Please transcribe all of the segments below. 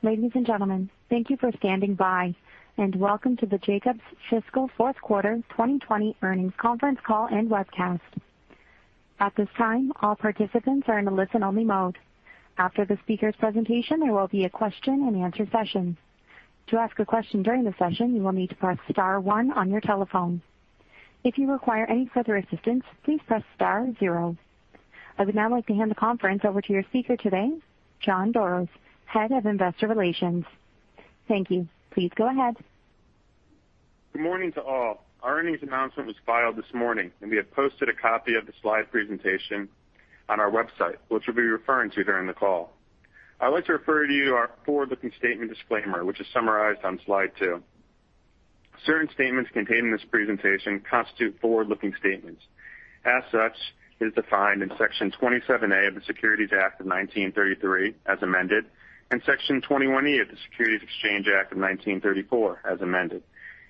Ladies and gentlemen, thank you for standing by, and welcome to the Jacobs Fiscal Fourth Quarter 2020 Earnings Conference Call and Webcast. At this time, all participants are in a listen-only mode. After the speaker's presentation, there will be a question-and-answer session. To ask a question during the session, you will need to press star one on your telephone. If you require any further assistance, please press star zero. I would now like to hand the conference over to your speaker today, Jon Doros, Head of Investor Relations. Thank you. Please go ahead. Good morning to all. Our earnings announcement was filed this morning, and we have posted a copy of the slide presentation on our website, which we'll be referring to during the call. I'd like to refer you to our forward-looking statement disclaimer, which is summarized on slide two. Certain statements contained in this presentation constitute forward-looking statements. As such, it is defined in Section 27A of the Securities Act of 1933, as amended, and Section 21E of the Securities Exchange Act of 1934, as amended,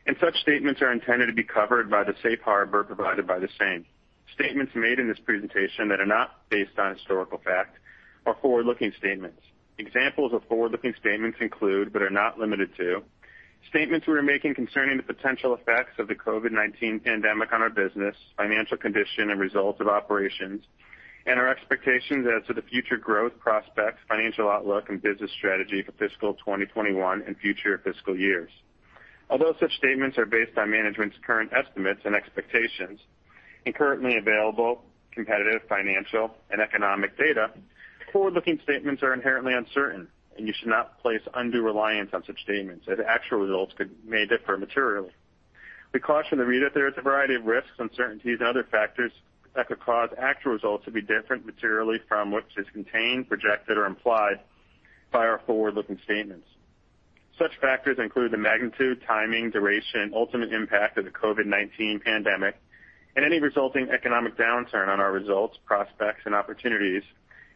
and such statements are intended to be covered by the safe harbor provided by the same. Statements made in this presentation that are not based on historical fact are forward-looking statements. Examples of forward-looking statements include, but are not limited to, statements we are making concerning the potential effects of the COVID-19 pandemic on our business, financial condition, and results of operations, and our expectations as to the future growth prospects, financial outlook, and business strategy for fiscal 2021 and future fiscal years. Although such statements are based on management's current estimates and expectations and currently available competitive financial and economic data, forward-looking statements are inherently uncertain, and you should not place undue reliance on such statements, as actual results may differ materially. We caution the reader that there is a variety of risks, uncertainties, and other factors that could cause actual results to differ materially from what is contained, projected, or implied by our forward-looking statements. Such factors include the magnitude, timing, duration, and ultimate impact of the COVID-19 pandemic, and any resulting economic downturn on our results, prospects, and opportunities,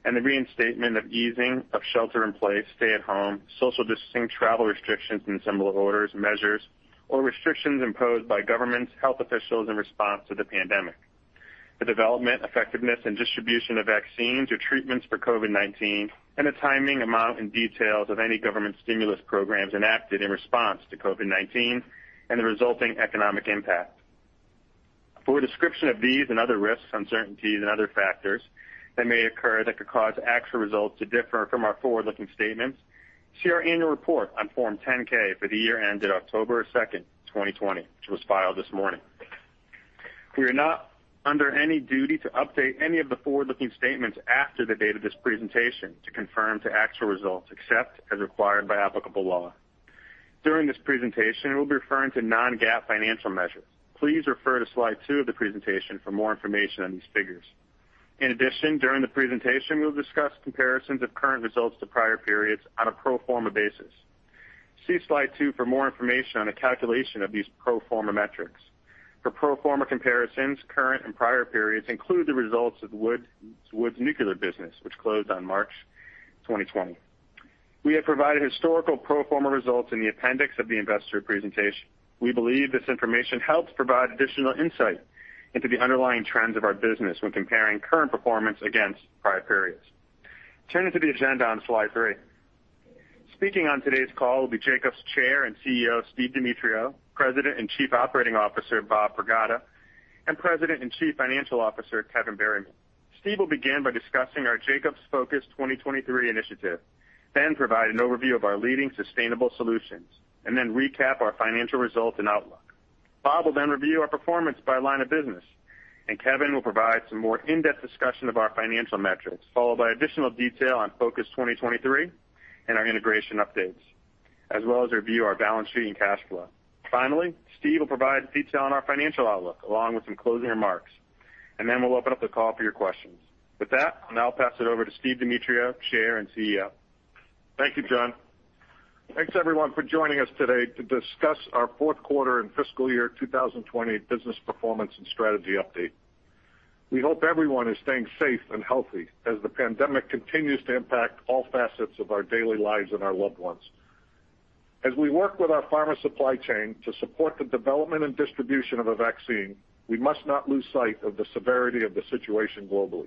and the reinstatement or easing of shelter-in-place, stay-at-home, social distancing, travel restrictions in similar orders, measures, or restrictions imposed by governments, health officials in response to the pandemic, the development, effectiveness, and distribution of vaccines or treatments for COVID-19, and the timing, amount, and details of any government stimulus programs enacted in response to COVID-19 and the resulting economic impact. For a description of these and other risks, uncertainties, and other factors that may occur that could cause actual results to differ from our forward-looking statements, see our annual report on Form 10-K for the year ended October 2nd, 2020, which was filed this morning. We are not under any duty to update any of the forward-looking statements after the date of this presentation to confirm the actual results, except as required by applicable law. During this presentation, we'll be referring to Non-GAAP financial measures. Please refer to slide two of the presentation for more information on these figures. In addition, during the presentation, we'll discuss comparisons of current results to prior periods on a pro forma basis. See slide two for more information on the calculation of these pro forma metrics. For pro forma comparisons, current and prior periods include the results of Wood Nuclear Business, which closed on March 2020. We have provided historical pro forma results in the appendix of the investor presentation. We believe this information helps provide additional insight into the underlying trends of our business when comparing current performance against prior periods. Turning to the agenda on slide three, speaking on today's call will be Jacobs Chair and CEO Steve Demetriou, President and Chief Operating Officer Bob Pragada, and President and Chief Financial Officer Kevin Berryman. Steve will begin by discussing our Jacobs Focus 2023 initiative, then provide an overview of our leading sustainable solutions, and then recap our financial results and outlook. Bob will then review our performance by line of business, and Kevin will provide some more in-depth discussion of our financial metrics, followed by additional detail on Focus 2023 and our integration updates, as well as review our balance sheet and cash flow. Finally, Steve will provide detail on our financial outlook along with some closing remarks, and then we'll open up the call for your questions. With that, I'll now pass it over to Steve Demetriou, Chair and CEO. Thank you, John. Thanks, everyone, for joining us today to discuss our Fourth Quarter and Fiscal year 2020 business performance and strategy update. We hope everyone is staying safe and healthy as the pandemic continues to impact all facets of our daily lives and our loved ones. As we work with our pharma supply chain to support the development and distribution of a vaccine, we must not lose sight of the severity of the situation globally.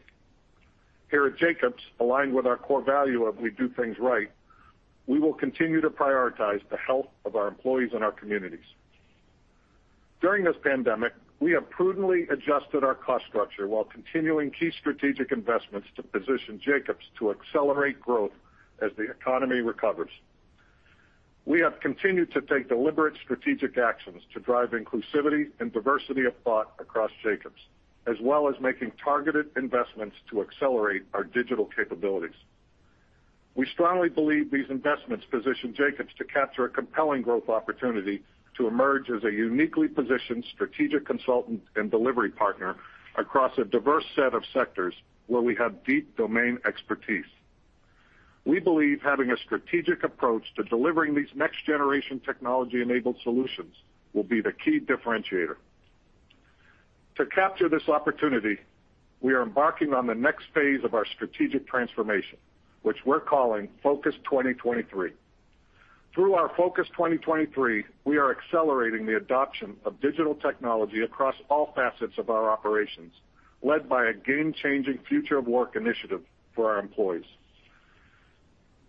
Here at Jacobs, aligned with our core value of "We do things right," we will continue to prioritize the health of our employees and our communities. During this pandemic, we have prudently adjusted our cost structure while continuing key strategic investments to position Jacobs to accelerate growth as the economy recovers. We have continued to take deliberate strategic actions to drive inclusivity and diversity of thought across Jacobs, as well as making targeted investments to accelerate our digital capabilities. We strongly believe these investments position Jacobs to capture a compelling growth opportunity to emerge as a uniquely positioned strategic consultant and delivery partner across a diverse set of sectors where we have deep domain expertise. We believe having a strategic approach to delivering these next-generation technology-enabled solutions will be the key differentiator. To capture this opportunity, we are embarking on the next phase of our strategic transformation, which we're calling Focus 2023. Through our Focus 2023, we are accelerating the adoption of digital technology across all facets of our operations, led by a game-changing future of work initiative for our employees.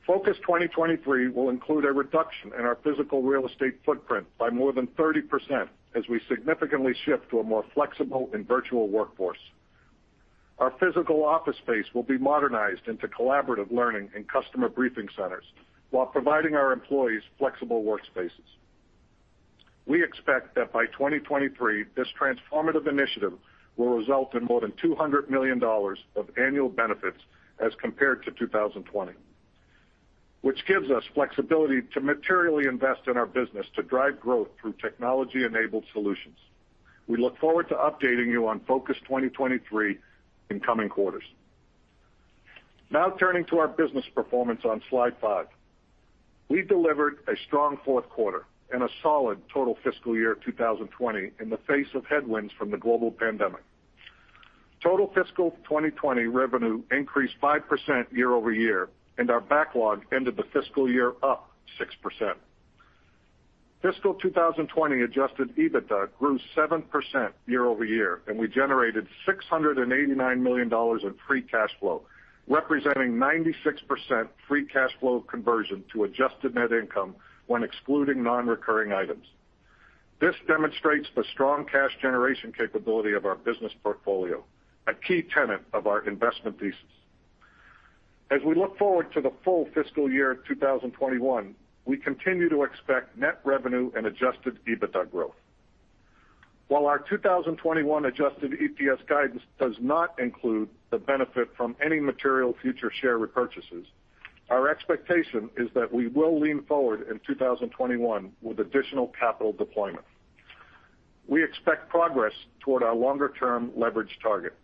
Focus 2023 will include a reduction in our physical real estate footprint by more than 30% as we significantly shift to a more flexible and virtual workforce. Our physical office space will be modernized into collaborative learning and customer briefing centers while providing our employees flexible workspaces. We expect that by 2023, this transformative initiative will result in more than $200 million of annual benefits as compared to 2020, which gives us flexibility to materially invest in our business to drive growth through technology-enabled solutions. We look forward to updating you on Focus 2023 in coming quarters. Now turning to our business performance on slide five, we delivered a strong fourth quarter and a solid total fiscal year 2020 in the face of headwinds from the global pandemic. Total fiscal 2020 revenue increased 5% year-over-year, and our backlog ended the fiscal year up 6%. Fiscal 2020 Adjusted EBITDA grew 7% year-over-year, and we generated $689 million in free cash flow, representing 96% free cash flow conversion to Adjusted Net Income when excluding non-recurring items. This demonstrates the strong cash generation capability of our business portfolio, a key tenet of our investment thesis. As we look forward to the full fiscal year 2021, we continue to expect net revenue and Adjusted EBITDA growth. While our 2021 Adjusted EPS guidance does not include the benefit from any material future share repurchases, our expectation is that we will lean forward in 2021 with additional capital deployment. We expect progress toward our longer-term leverage target,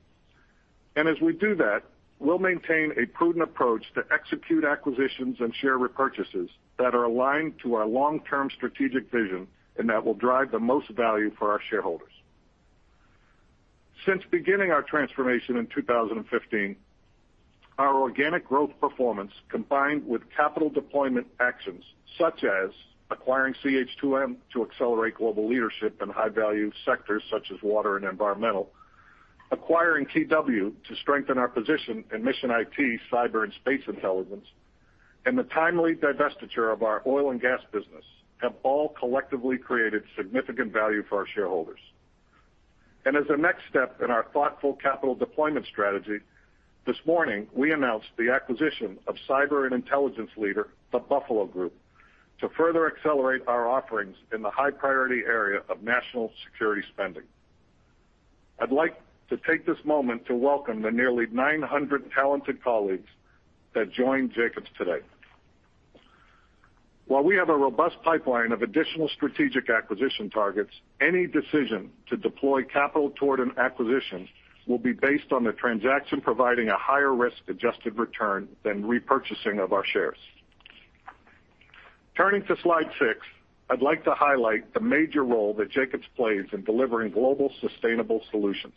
and as we do that, we'll maintain a prudent approach to execute acquisitions and share repurchases that are aligned to our long-term strategic vision and that will drive the most value for our shareholders. Since beginning our transformation in 2015, our organic growth performance combined with capital deployment actions such as acquiring CH2M to accelerate global leadership in high-value sectors such as Water and environmental, acquiring KeyW to strengthen our position in mission IT, cyber, and space intelligence, and the timely divestiture of our oil and gas business have all collectively created significant value for our shareholders. And as a next step in our thoughtful capital deployment strategy, this morning we announced the acquisition of cyber and intelligence leader The Buffalo Group to further accelerate our offerings in the high-priority area of national security spending. I'd like to take this moment to welcome the nearly 900 talented colleagues that joined Jacobs today. While we have a robust pipeline of additional strategic acquisition targets, any decision to deploy capital toward an acquisition will be based on the transaction providing a higher risk-adjusted return than repurchasing of our shares. Turning to slide six, I'd like to highlight the major role that Jacobs plays in delivering global sustainable solutions.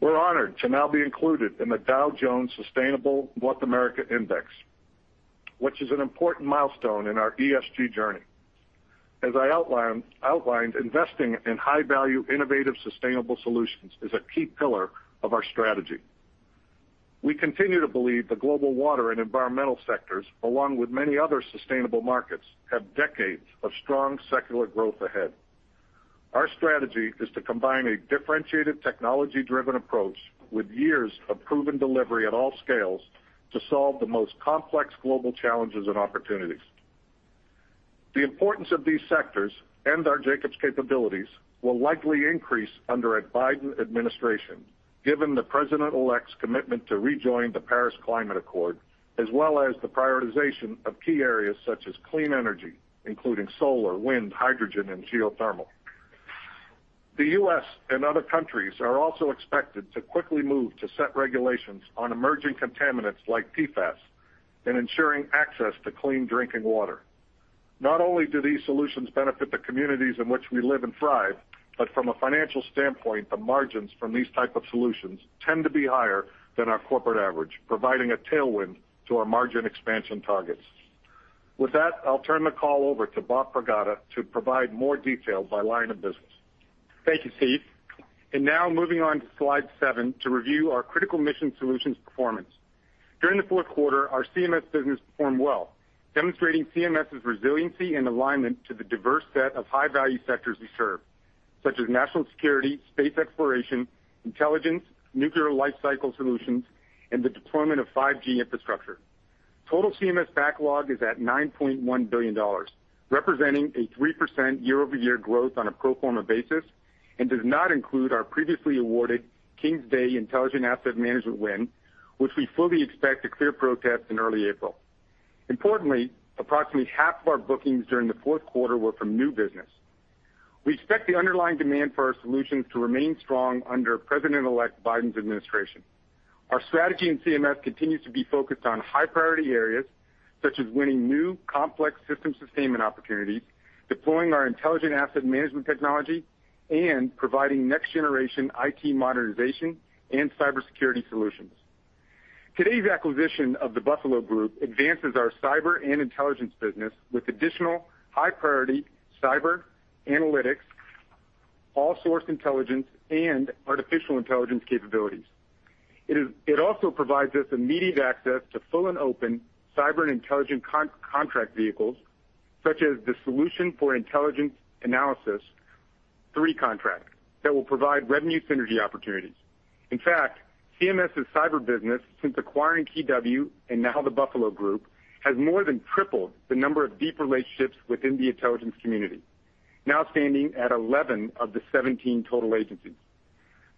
We're honored to now be included in the Dow Jones Sustainability North America Index, which is an important milestone in our ESG journey. As I outlined, investing in high-value, innovative, sustainable solutions is a key pillar of our strategy. We continue to believe the global water and environmental sectors, along with many other sustainable markets, have decades of strong secular growth ahead. Our strategy is to combine a differentiated, technology-driven approach with years of proven delivery at all scales to solve the most complex global challenges and opportunities. The importance of these sectors and our Jacobs capabilities will likely increase under a Biden administration, given the President-elect's commitment to rejoin the Paris Climate Accord, as well as the prioritization of key areas such as clean energy, including solar, wind, hydrogen, and geothermal. The U.S. and other countries are also expected to quickly move to set regulations on emerging contaminants like PFAS and ensuring access to clean drinking water. Not only do these solutions benefit the communities in which we live and thrive, but from a financial standpoint, the margins from these types of solutions tend to be higher than our corporate average, providing a tailwind to our margin expansion targets. With that, I'll turn the call over to Bob Pragada to provide more detail by line of business. Thank you, Steve, and now moving on to slide seven to review our Critical Mission Solutions performance. During the fourth quarter, our CMS business performed well, demonstrating CMS's resiliency and alignment to the diverse set of high-value sectors we serve, such as national security, space exploration, intelligence, nuclear life cycle solutions, and the deployment of 5G infrastructure. Total CMS backlog is at $9.1 billion, representing a 3% year-over-year growth on a pro forma basis, and does not include our previously awarded Kings Bay Intelligent Asset Management win, which we fully expect to clear protests in early April. Importantly, approximately half of our bookings during the fourth quarter were from new business. We expect the underlying demand for our solutions to remain strong under President-elect Biden's administration. Our strategy in CMS continues to be focused on high-priority areas such as winning new complex system sustainment opportunities, deploying our Intelligent Asset Management Technology, and providing next-generation IT modernization and cybersecurity solutions. Today's acquisition of the Buffalo Group advances our cyber and intelligence business with additional high-priority cyber analytics, all-source intelligence, and artificial intelligence capabilities. It also provides us immediate access to full and open cyber and intelligent contract vehicles such as the Solutions for Intelligence Analysis III contract that will provide revenue synergy opportunities. In fact, CMS's cyber business, since acquiring KeyW and now the Buffalo Group, has more than tripled the number of deep relationships within the Intelligence Community, now standing at 11 of the 17 total agencies.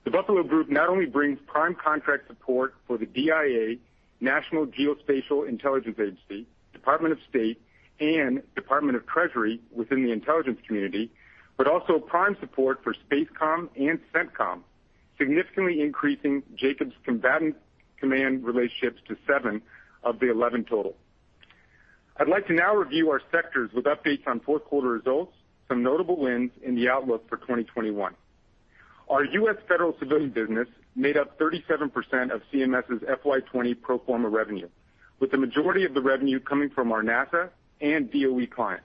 The Buffalo Group not only brings prime contract support for the DIA, National Geospatial Intelligence Agency, Department of State, and Department of the Treasury within the intelligence community, but also prime support for SPACECOM and CENTCOM, significantly increasing Jacobs' combatant command relationships to seven of the 11 total. I'd like to now review our sectors with updates on fourth quarter results, some notable wins in the outlook for 2021. Our U.S. Federal Civilian business made up 37% of CMS's FY 2020 pro forma revenue, with the majority of the revenue coming from our NASA and DOE clients.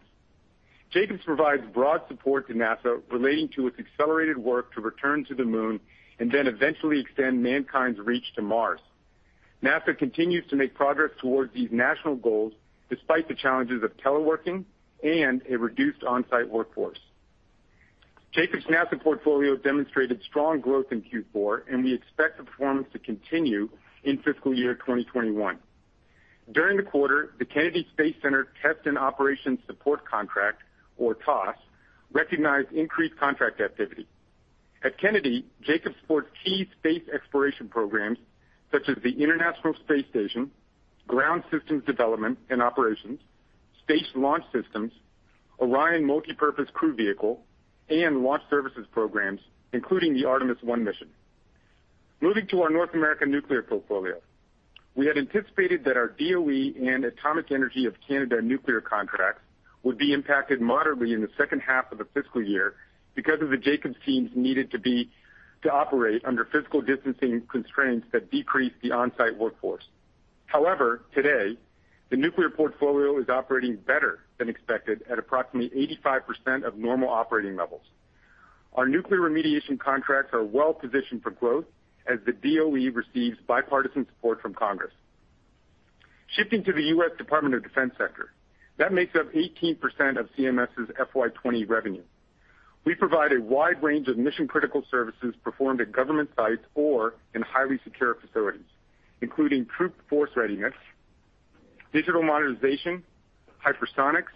Jacobs provides broad support to NASA relating to its accelerated work to return to the moon and then eventually extend mankind's reach to Mars. NASA continues to make progress towards these national goals despite the challenges of teleworking and a reduced on-site workforce. Jacobs' NASA portfolio demonstrated strong growth in Q4, and we expect the performance to continue in fiscal year 2021. During the quarter, the Kennedy Space Center Test and Operations Support Contract, or TOSC, recognized increased contract activity. At Kennedy, Jacobs supports key space exploration programs such as the International Space Station, Ground Systems Development and Operations, Space Launch System, Orion Multi-Purpose Crew Vehicle, and Launch Services Program, including the Artemis I mission. Moving to our North America nuclear portfolio, we had anticipated that our DOE and Atomic Energy of Canada nuclear contracts would be impacted moderately in the second half of the fiscal year because of the Jacobs teams needed to operate under physical distancing constraints that decreased the on-site workforce. However, today, the nuclear portfolio is operating better than expected at approximately 85% of normal operating levels. Our nuclear remediation contracts are well positioned for growth as the DOE receives bipartisan support from Congress. Shifting to the U.S. Department of Defense sector, that makes up 18% of CMS's FY 2020 revenue. We provide a wide range of mission-critical services performed at government sites or in highly secure facilities, including troop force readiness, digital modernization, hypersonics,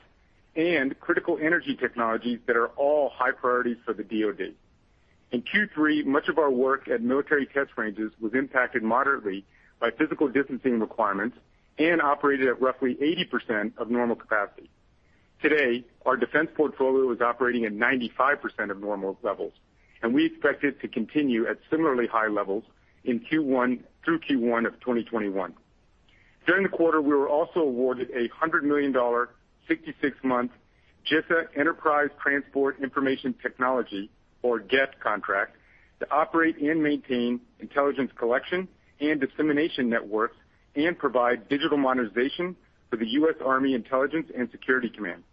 and critical energy technologies that are all high priorities for the DOD. In Q3, much of our work at military test ranges was impacted moderately by physical distancing requirements and operated at roughly 80% of normal capacity. Today, our defense portfolio is operating at 95% of normal levels, and we expect it to continue at similarly high levels through Q1 of 2021. During the quarter, we were also awarded a $100 million, 66-month GISA Global Enterprise Transport Information Technology, or GET, contract to operate and maintain intelligence collection and dissemination networks and provide digital modernization for the U.S. Army Intelligence and Security Command.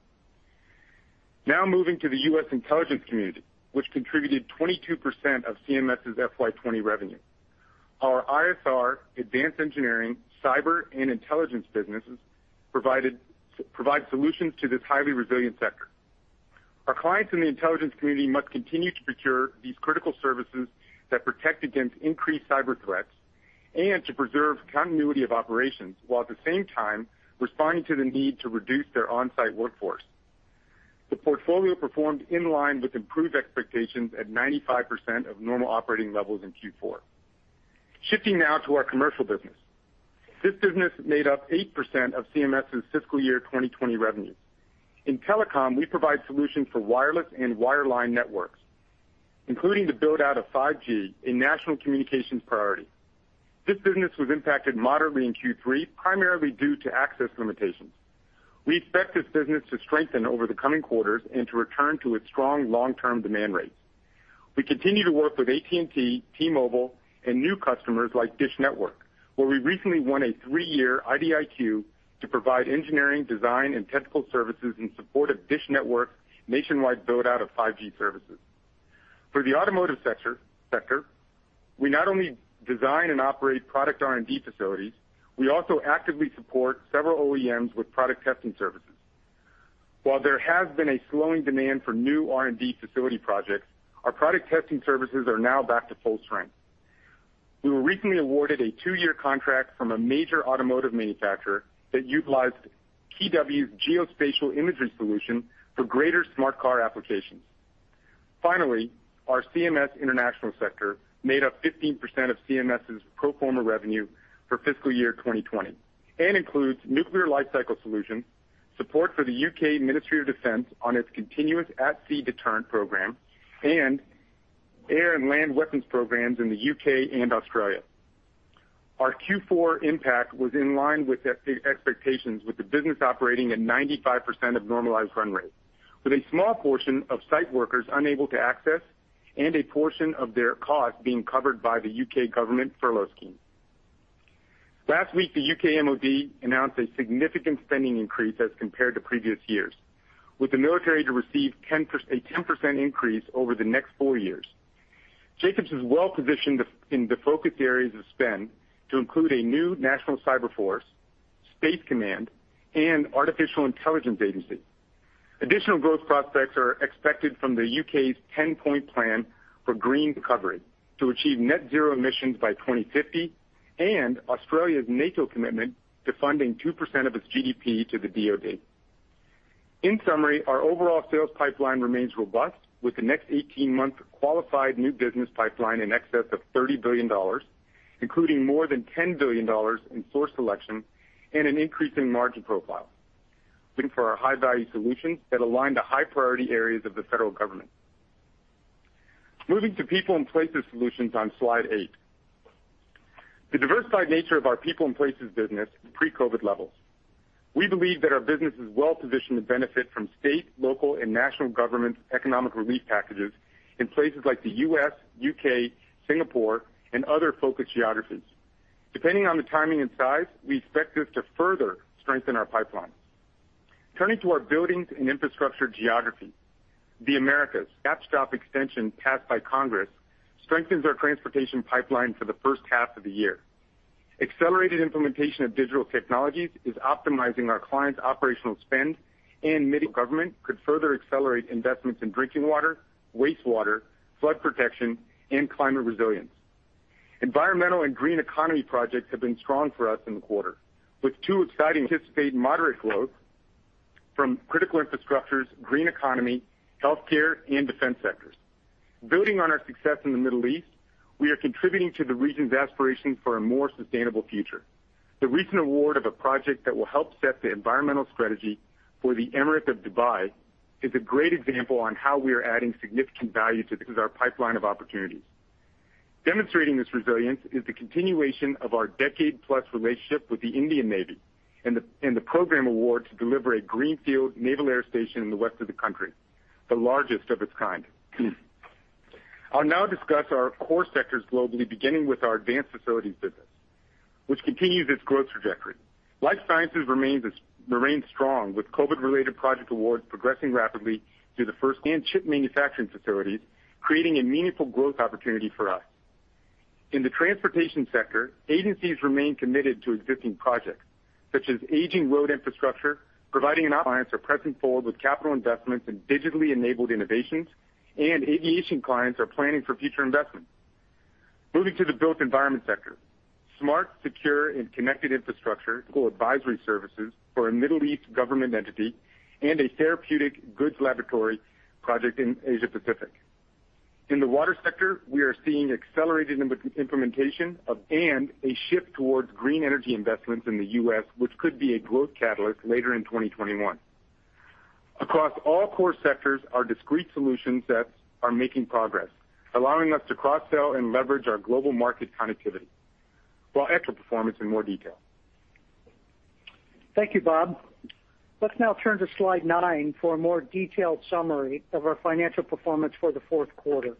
Now moving to the U.S. intelligence community, which contributed 22% of CMS's FY 2020 revenue. Our ISR, Advanced Engineering, Cyber, and Intelligence businesses provide solutions to this highly resilient sector. Our clients in the intelligence community must continue to procure these critical services that protect against increased cyber threats and to preserve continuity of operations while at the same time responding to the need to reduce their on-site workforce. The portfolio performed in line with improved expectations at 95% of normal operating levels in Q4. Shifting now to our commercial business. This business made up 8% of CMS's fiscal year 2020 revenues. In telecom, we provide solutions for wireless and wireline networks, including the build-out of 5G, a national communications priority. This business was impacted moderately in Q3, primarily due to access limitations. We expect this business to strengthen over the coming quarters and to return to its strong long-term demand rates. We continue to work with AT&T, T-Mobile, and new customers like DISH Network, where we recently won a three-year IDIQ to provide engineering, design, and technical services in support of DISH Network's nationwide build-out of 5G services. For the automotive sector, we not only design and operate product R&D facilities, we also actively support several OEMs with product testing services. While there has been a slowing demand for new R&D facility projects, our product testing services are now back to full strength. We were recently awarded a two-year contract from a major automotive manufacturer that utilized KeyW's Geospatial Imagery Solution for greater smart car applications. Finally, our CMS international sector made up 15% of CMS's pro forma revenue for fiscal year 2020 and includes nuclear life cycle solutions, support for the U.K. Ministry of Defence on its Continuous At-Sea Deterrent program, and air and land weapons programs in the U.K. and Australia. Our Q4 impact was in line with expectations, with the business operating at 95% of normalized run rate, with a small portion of site workers unable to access and a portion of their costs being covered by the U.K. government furlough scheme. Last week, the U.K. MoD announced a significant spending increase as compared to previous years, with the military to receive a 10% increase over the next four years. Jacobs is well positioned in the focus areas of spend to include a new national cyber force, space command, and artificial intelligence agency. Additional growth prospects are expected from the U.K.'s Ten Point Plan for green recovery to achieve net zero emissions by 2050 and Australia's NATO commitment to funding 2% of its GDP to the DOD. In summary, our overall sales pipeline remains robust, with the next 18-month qualified new business pipeline in excess of $30 billion, including more than $10 billion in source selection and an increasing margin profile. For our high-value solutions that align to high-priority areas of the federal government. Moving to People & Places Solutions on slide eight. The diversified nature of our People & Places business. Pre-COVID levels. We believe that our business is well positioned to benefit from state, local, and national government economic relief packages in places like the U.S., U.K., Singapore, and other focus geographies. Depending on the timing and size, we expect this to further strengthen our pipeline. Turning to our Buildings & Infrastructure geography, the Americas. Stopgap extension passed by Congress strengthens our Transportation pipeline for the first half of the year. Accelerated implementation of digital technologies is optimizing our clients' operational spend, and government could further accelerate investments in drinking water, wastewater, flood protection, and climate resilience. Environmental and green economy projects have been strong for us in the quarter, with two exciting. Anticipate moderate growth from critical infrastructures, green economy, healthcare, and defense sectors. Building on our success in the Middle East, we are contributing to the region's aspirations for a more sustainable future. The recent award of a project that will help set the environmental strategy for the Emirate of Dubai is a great example on how we are adding significant value to our pipeline of opportunities. Demonstrating this resilience is the continuation of our decade-plus relationship with the Indian Navy and the program award to deliver a greenfield naval air station in the west of the country, the largest of its kind. I'll now discuss our core sectors globally, beginning with our Advanced Facilities business, which continues its growth trajectory. Life sciences remain strong, with COVID-related project awards progressing rapidly through the first, and chip manufacturing facilities, creating a meaningful growth opportunity for us. In the transportation sector, agencies remain committed to existing projects, such as aging road infrastructure, providing an opportunity. Clients are pressing forward with capital investments and digitally enabled innovations, and aviation clients are planning for future investments. Moving to the Built Environment sector, smart, secure, and connected infrastructure. Advisory services for a Middle East government entity and a therapeutic goods laboratory project in Asia Pacific. In the water sector, we are seeing accelerated implementation of, and a shift towards green energy investments in the U.S., which could be a growth catalyst later in 2021. Across all core sectors, our discrete solutions are making progress, allowing us to cross-sell and leverage our global market connectivity. While performance in more detail. Thank you, Bob. Let's now turn to slide nine for a more detailed summary of our financial performance for the fourth quarter.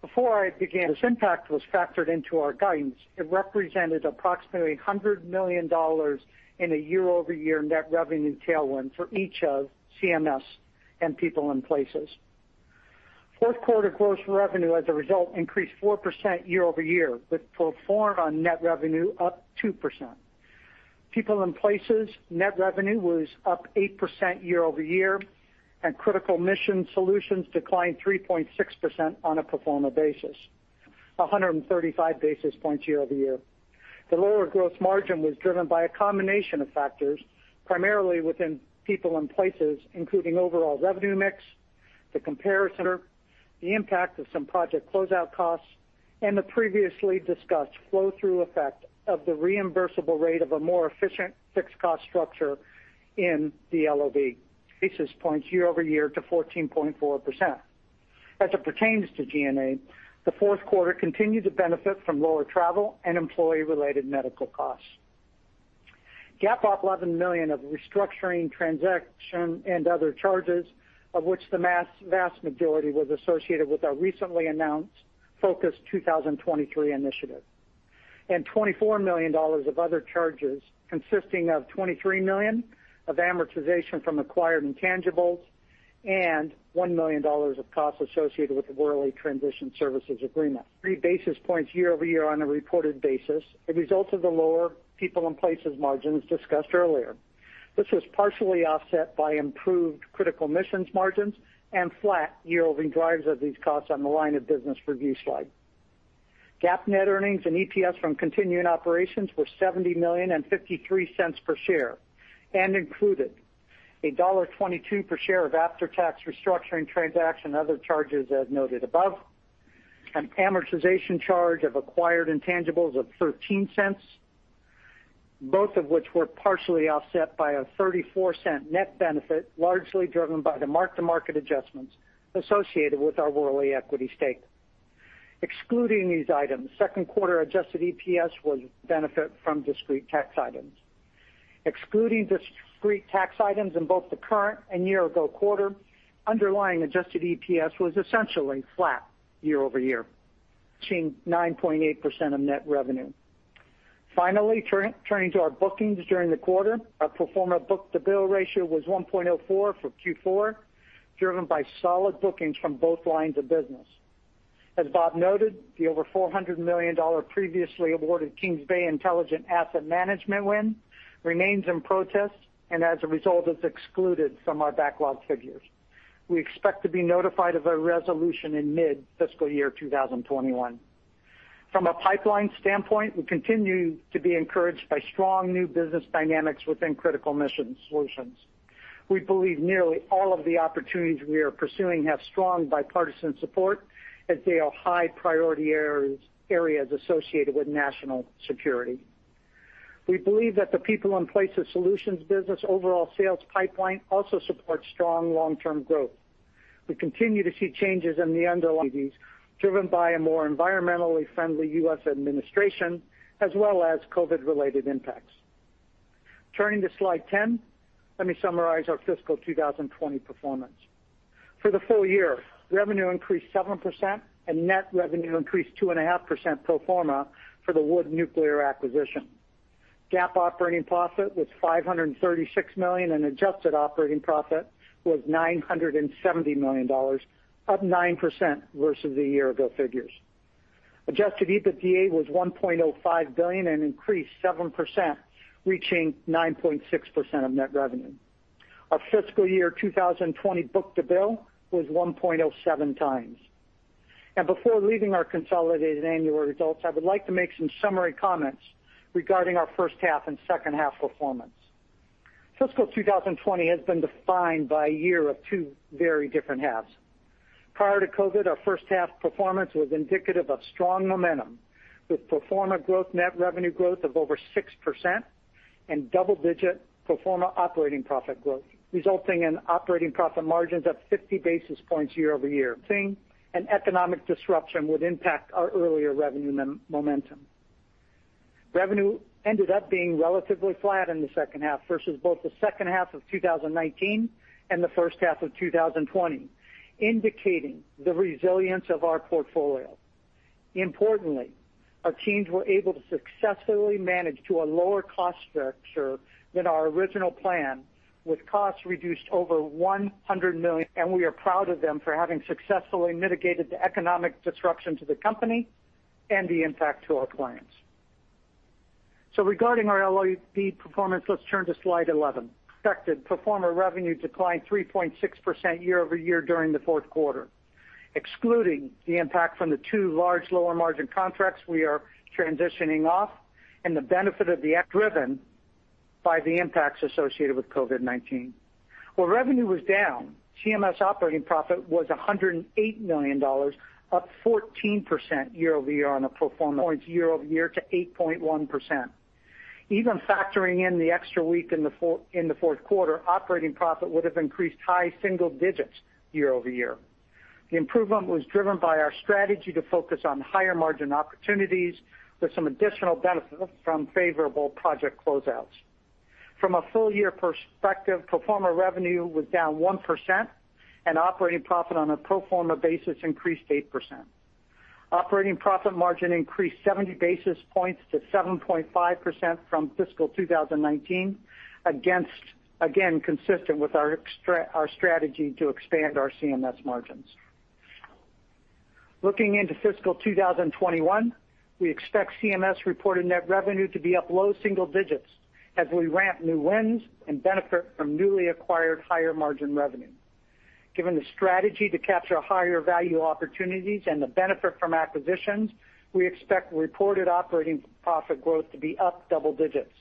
Before I begin, this impact was factored into our guidance. It represented approximately $100 million in a year-over-year net revenue tailwind for each of CMS and people and places. Fourth quarter gross revenue, as a result, increased 4% year-over-year, with performance on net revenue up 2%. People and places net revenue was up 8% year-over-year, and critical mission solutions declined 3.6% on a pro forma basis, 135 basis points year-over-year. The lower gross margin was driven by a combination of factors, primarily within people and places, including overall revenue mix, the comparison of the impact of some project closeout costs, and the previously discussed flow-through effect of the reimbursable rate of a more efficient fixed cost structure in the LOB. Basis points year-over-year to 14.4%. As it pertains to G&A, the fourth quarter continued to benefit from lower travel and employee-related medical costs. GAAP up $11 million of restructuring transaction and other charges, of which the vast majority was associated with our recently announced Focus 2023 Initiative, and $24 million of other charges consisting of $23 million of amortization from acquired intangibles and $1 million of costs associated with the Worley Transition Services Agreement. Basis points year-over-year on a reported basis, a result of the lower people and places margins discussed earlier. This was partially offset by improved Critical Mission margins and flat year-over-year drives of these costs on the line of business review slide. GAAP net earnings and EPS from continuing operations were $70.53 per share and included $1.22 per share of after-tax restructuring transaction and other charges as noted above, an amortization charge of acquired intangibles of $0.13, both of which were partially offset by a $0.34 net benefit largely driven by the mark-to-market adjustments associated with our Worley equity stake. Excluding these items, second quarter Adjusted EPS was benefit from discrete tax items. Excluding discrete tax items in both the current and year-ago quarter, underlying Adjusted EPS was essentially flat year-over-year, reaching 9.8% of net revenue. Finally, turning to our bookings during the quarter, our pro forma book-to-bill ratio was 1.04 for Q4, driven by solid bookings from both lines of business. As Bob noted, the over $400 million previously awarded Kings Bay Intelligent Asset Management win remains in protest and, as a result, is excluded from our backlog figures. We expect to be notified of a resolution in mid-fiscal year 2021. From a pipeline standpoint, we continue to be encouraged by strong new business dynamics within critical mission solutions. We believe nearly all of the opportunities we are pursuing have strong bipartisan support as they are high priority areas associated with national security. We believe that the people and places solutions business overall sales pipeline also supports strong long-term growth. We continue to see changes in the underlying driven by a more environmentally friendly U.S. administration, as well as COVID-related impacts. Turning to slide 10, let me summarize our fiscal 2020 performance. For the full year, revenue increased 7% and net revenue increased 2.5% pro forma for the Wood Nuclear acquisition. GAAP operating profit was $536 million, and Adjusted Operating Profit was $970 million, up 9% versus the year-ago figures. Adjusted EBITDA was $1.05 billion and increased 7%, reaching 9.6% of net revenue. Our fiscal year 2020 book-to-bill was 1.07x, and before leaving our consolidated annual results, I would like to make some summary comments regarding our first half and second half performance. Fiscal 2020 has been defined by a year of two very different halves. Prior to COVID, our first half performance was indicative of strong momentum, with pro forma growth, net revenue growth of over 6%, and double-digit pro forma operating profit growth, resulting in operating profit margins of 50 basis points year-over-year. An economic disruption would impact our earlier revenue momentum. Revenue ended up being relatively flat in the second half versus both the second half of 2019 and the first half of 2020, indicating the resilience of our portfolio. Importantly, our teams were able to successfully manage to a lower cost structure than our original plan, with costs reduced over $100 million. And we are proud of them for having successfully mitigated the economic disruption to the company and the impact to our clients. So regarding our LOB performance, let's turn to slide 11. Expected pro forma revenue declined 3.6% year-over-year during the fourth quarter. Excluding the impact from the two large lower margin contracts we are transitioning off and the benefit of the, driven by the impacts associated with COVID-19. While revenue was down, CMS operating profit was $108 million, up 14% year-over-year on a pro forma. Points year-over-year to 8.1%. Even factoring in the extra week in the fourth quarter, operating profit would have increased high single-digits year-over-year. The improvement was driven by our strategy to focus on higher margin opportunities with some additional benefit from favorable project closeouts. From a full-year perspective, pro forma revenue was down 1%, and operating profit on a pro forma basis increased 8%. Operating profit margin increased 70 basis points to 7.5% from fiscal 2019, again consistent with our strategy to expand our CMS margins. Looking into fiscal 2021, we expect CMS reported net revenue to be up low single-digits as we ramp new wins and benefit from newly acquired higher margin revenue. Given the strategy to capture higher value opportunities and the benefit from acquisitions, we expect reported operating profit growth to be up double-digits.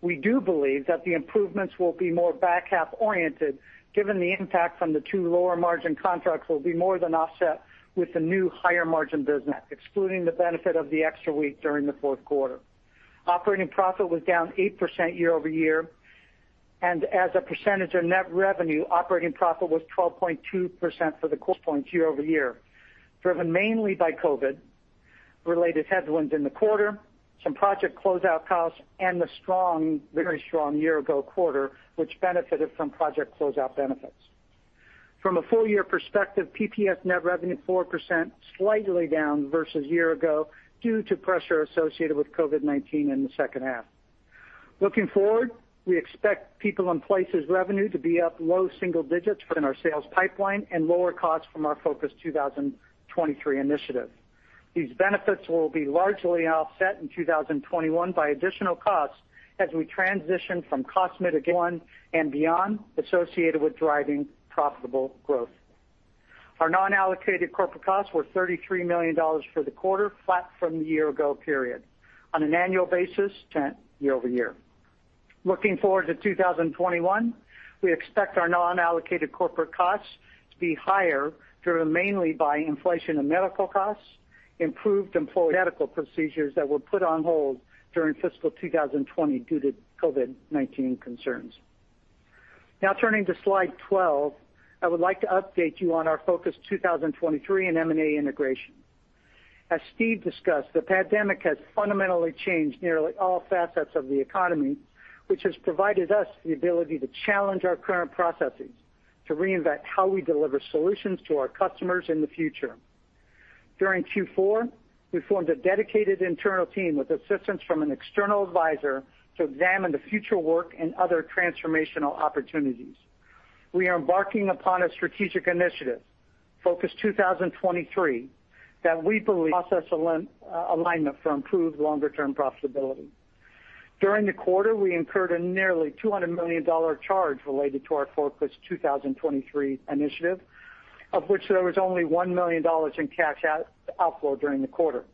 We do believe that the improvements will be more back half oriented, given the impact from the two lower margin contracts will be more than offset with the new higher margin business. Excluding the benefit of the extra week during the fourth quarter, operating profit was down 8% year-over-year, and as a percentage of net revenue, operating profit was 12.2%, 190 points year-over-year, driven mainly by COVID-related headwinds in the quarter, some project closeout costs, and the very strong year-ago quarter, which benefited from project closeout benefits. From a full-year perspective, P&PS net revenue 4%, slightly down versus year-ago due to pressure associated with COVID-19 in the second half. Looking forward, we expect people and places revenue to be up low single-digits in our sales pipeline and lower costs from our Focus 2023 initiative. These benefits will be largely offset in 2021 by additional costs as we transition from cost mitigation and beyond associated with driving profitable growth. Our non-allocated corporate costs were $33 million for the quarter, flat from the year-ago period. On an annual basis, year-over-year, looking forward to 2021, we expect our non-allocated corporate costs to be higher, driven mainly by inflation and medical costs, improved employee medical procedures that were put on hold during fiscal 2020 due to COVID-19 concerns. Now turning to slide 12, I would like to update you on our Focus 2023 and M&A integration. As Steve discussed, the pandemic has fundamentally changed nearly all facets of the economy, which has provided us the ability to challenge our current processes to reinvent how we deliver solutions to our customers in the future. During Q4, we formed a dedicated internal team with assistance from an external advisor to examine the future work and other transformational opportunities. We are embarking upon a strategic initiative, Focus 2023, that we believe will provide process alignment for improved longer-term profitability. During the quarter, we incurred a nearly $200 million charge related to our Focus 2023 initiative, of which there was only $1 million in cash outflow during the quarter.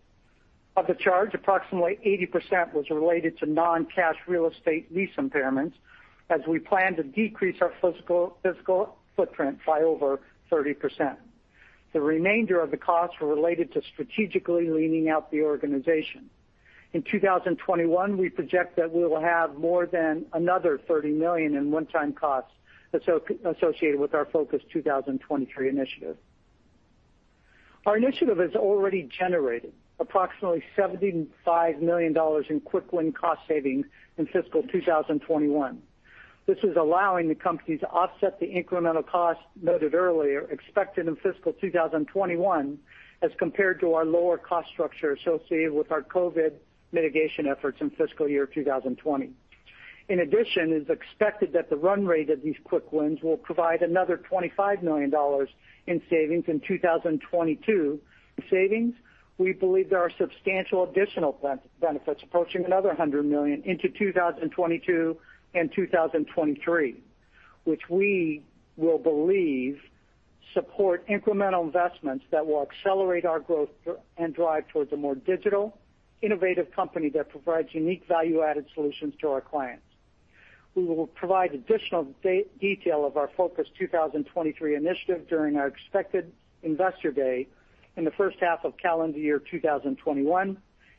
Of the charge, approximately 80% was related to non-cash real estate lease impairments, as we plan to decrease our physical footprint by over 30%. The remainder of the costs were related to strategically leaning out the organization. In 2021, we project that we will have more than another $30 million in one-time costs associated with our Focus 2023 initiative. Our initiative has already generated approximately $75 million in quick win cost savings in fiscal 2021. This is allowing the company to offset the incremental costs noted earlier expected in fiscal 2021 as compared to our lower cost structure associated with our COVID mitigation efforts in fiscal year 2020. In addition, it is expected that the run rate of these quick wins will provide another $25 million in savings in 2022. We believe there are substantial additional benefits approaching another $100 million into 2022 and 2023, which we believe will support incremental investments that will accelerate our growth and drive towards a more digital, innovative company that provides unique value-added solutions to our clients. We will provide additional detail of our Focus 2023 initiative during our expected investor day in the first half of calendar year 2021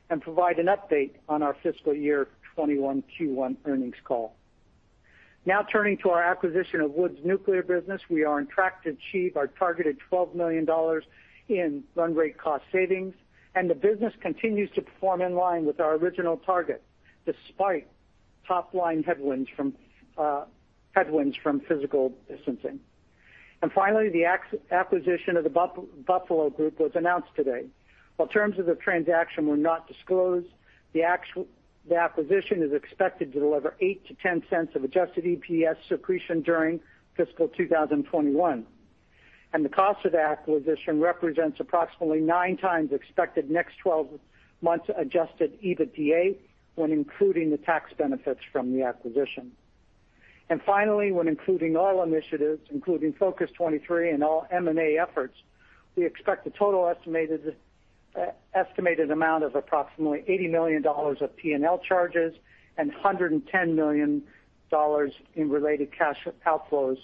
and provide an update on our fiscal year 2021 Q1 earnings call. Now turning to our acquisition of Wood's Nuclear business, we are on track to achieve our targeted $12 million in run rate cost savings, and the business continues to perform in line with our original target despite top-line headwinds from physical distancing. And finally, the acquisition of the Buffalo Group was announced today. While terms of the transaction were not disclosed, the acquisition is expected to deliver $0.08-$0.10 of Adjusted EPS accretion during fiscal 2021. And the cost of the acquisition represents approximately nine times expected next 12 months Adjusted EBITDA when including the tax benefits from the acquisition. And finally, when including all initiatives, including Focus 2023 and all M&A efforts, we expect the total estimated amount of approximately $80 million of P&L charges and $110 million in related cash outflows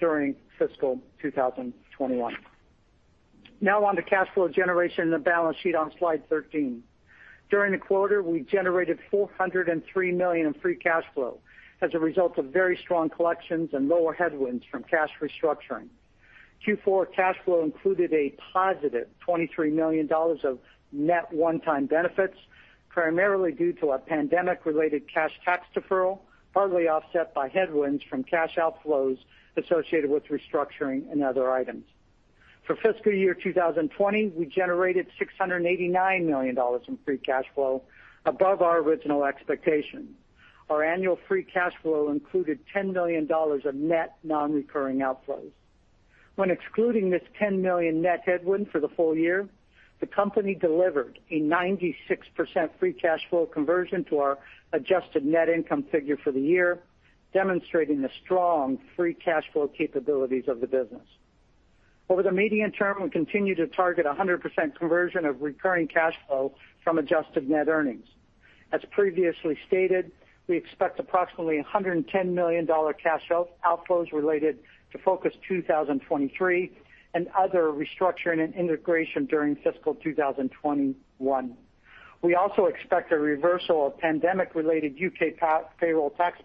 during fiscal 2021. Now on to cash flow generation in the balance sheet on slide 13. During the quarter, we generated $403 million in free cash flow as a result of very strong collections and lower headwinds from cash restructuring. Q4 cash flow included a positive $23 million of net one-time benefits, primarily due to a pandemic-related cash tax deferral, partly offset by headwinds from cash outflows associated with restructuring and other items. For fiscal year 2020, we generated $689 million in free cash flow, above our original expectation. Our annual free cash flow included $10 million of net non-recurring outflows. When excluding this $10 million net headwind for the full year, the company delivered a 96% free cash flow conversion to our Adjusted Net Income figure for the year, demonstrating the strong free cash flow capabilities of the business. Over the medium term, we continue to target 100% conversion of recurring cash flow from Adjusted Net Earnings. As previously stated, we expect approximately $110 million cash outflows related to Focus 2023 and other restructuring and integration during fiscal 2021. We also expect a reversal of pandemic-related U.K. payroll tax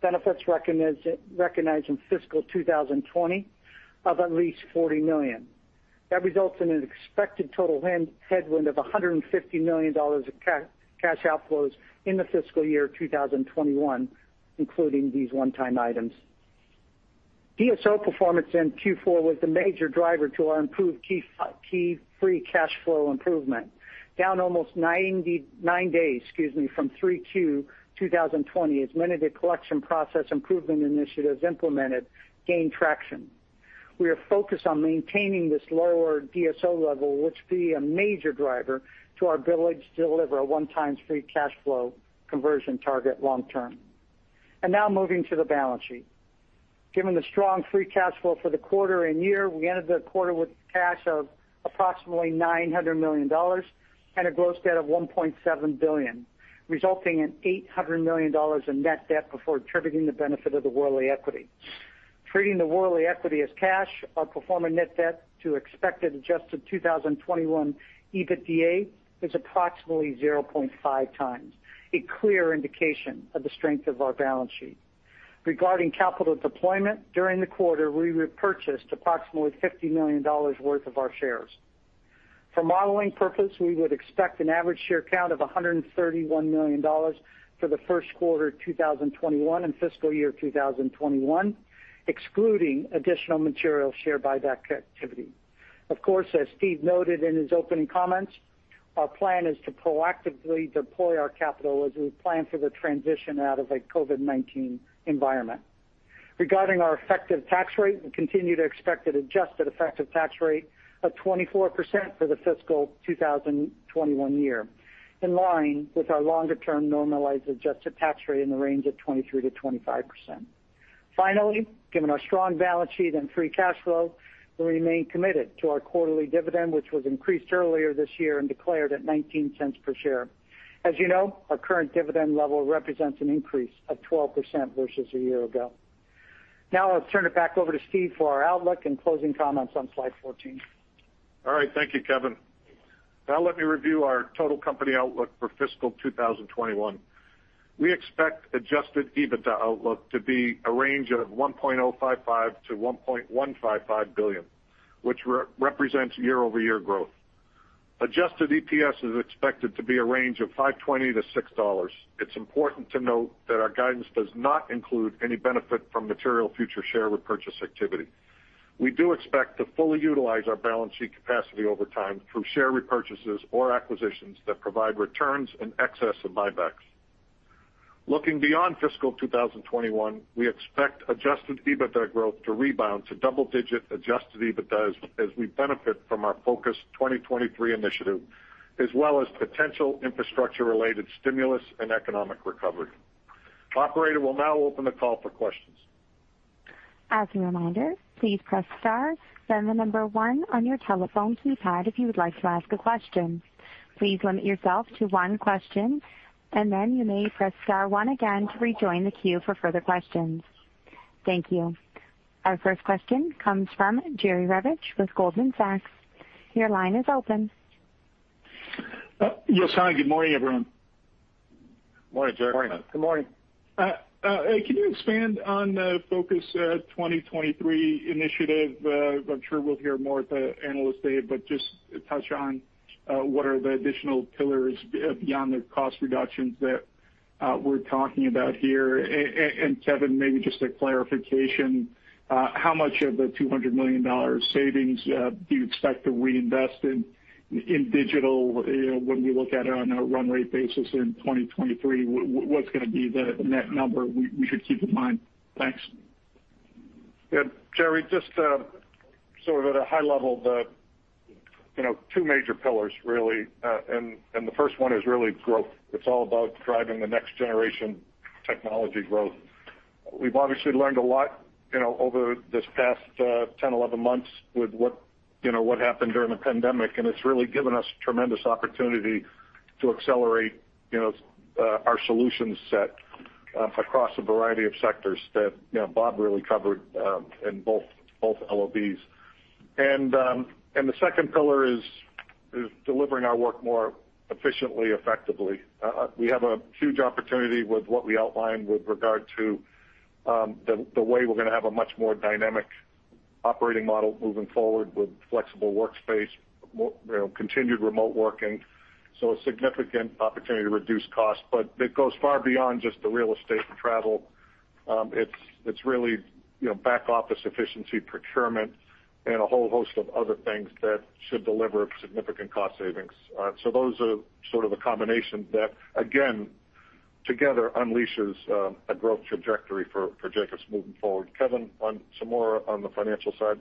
benefits recognized in fiscal 2020 of at least $40 million. That results in an expected total headwind of $150 million of cash outflows in the fiscal year 2021, including these one-time items. DSO performance in Q4 was the major driver to our improved key free cash flow improvement, down almost nine days, excuse me, from 3Q 2020 as many of the collection process improvement initiatives implemented gained traction. We are focused on maintaining this lower DSO level, which will be a major driver to our ability to deliver a one-time free cash flow conversion target long-term. Now moving to the balance sheet. Given the strong free cash flow for the quarter and year, we ended the quarter with cash of approximately $900 million and a gross debt of $1.7 billion, resulting in $800 million in net debt before attributing the benefit of the Worley equity. Treating the Worley equity as cash, our pro forma net debt to expected adjusted 2021 EBITDA is approximately 0.5x, a clear indication of the strength of our balance sheet. Regarding capital deployment, during the quarter, we repurchased approximately $50 million worth of our shares. For modeling purposes, we would expect an average share count of 131 million for the first quarter of 2021 and fiscal year 2021, excluding additional material share buyback activity. Of course, as Steve noted in his opening comments, our plan is to proactively deploy our capital as we plan for the transition out of a COVID-19 environment. Regarding our effective tax rate, we continue to expect an adjusted effective tax rate of 24% for the fiscal 2021 year, in line with our longer-term normalized adjusted tax rate in the range of 23%-25%. Finally, given our strong balance sheet and free cash flow, we remain committed to our quarterly dividend, which was increased earlier this year and declared at $0.19 per share. As you know, our current dividend level represents an increase of 12% versus a year ago. Now I'll turn it back over to Steve for our outlook and closing comments on slide 14. All right, thank you, Kevin. Now let me review our total company outlook for fiscal 2021. We expect Adjusted EBITDA outlook to be a range of $1.055 billion-$1.155 billion, which represents year-over-year growth. Adjusted EPS is expected to be a range of $5.20-$6. It's important to note that our guidance does not include any benefit from material future share repurchase activity. We do expect to fully utilize our balance sheet capacity over time through share repurchases or acquisitions that provide returns in excess of buybacks. Looking beyond fiscal 2021, we expect Adjusted EBITDA growth to rebound to double-digit Adjusted EBITDAs as we benefit from our Focus 2023 initiative, as well as potential infrastructure-related stimulus and economic recovery. Operator will now open the call for questions. As a reminder, please press star, then the number one on your telephone keypad if you would like to ask a question. Please limit yourself to one question, and then you may press star one again to rejoin the queue for further questions. Thank you. Our first question comes from Jerry Revich with Goldman Sachs. Your line is open. Yes, hi, good morning, everyone. Morning, Jerry. Morning. Good morning. Can you expand on the Focus 2023 Initiative? I'm sure we'll hear more with the analyst today, but just touch on what are the additional pillars beyond the cost reductions that we're talking about here. And Kevin, maybe just a clarification, how much of the $200 million savings do you expect to reinvest in digital when we look at it on a run rate basis in 2023? What's going to be the net number we should keep in mind? Thanks. Jerry, just sort of at a high level, the two major pillars, really. And the first one is really growth. It's all about driving the next generation technology growth. We've obviously learned a lot over this past 10, 11 months with what happened during the pandemic, and it's really given us tremendous opportunity to accelerate our solution set across a variety of sectors that Bob really covered in both LOBs, and the second pillar is delivering our work more efficiently, effectively. We have a huge opportunity with what we outlined with regard to the way we're going to have a much more dynamic operating model moving forward with flexible workspace, continued remote working, so a significant opportunity to reduce costs, but it goes far beyond just the real estate and travel. It's really back office efficiency, procurement, and a whole host of other things that should deliver significant cost savings, so those are sort of a combination that, again, together unleashes a growth trajectory for Jacobs moving forward. Kevin, some more on the financial side.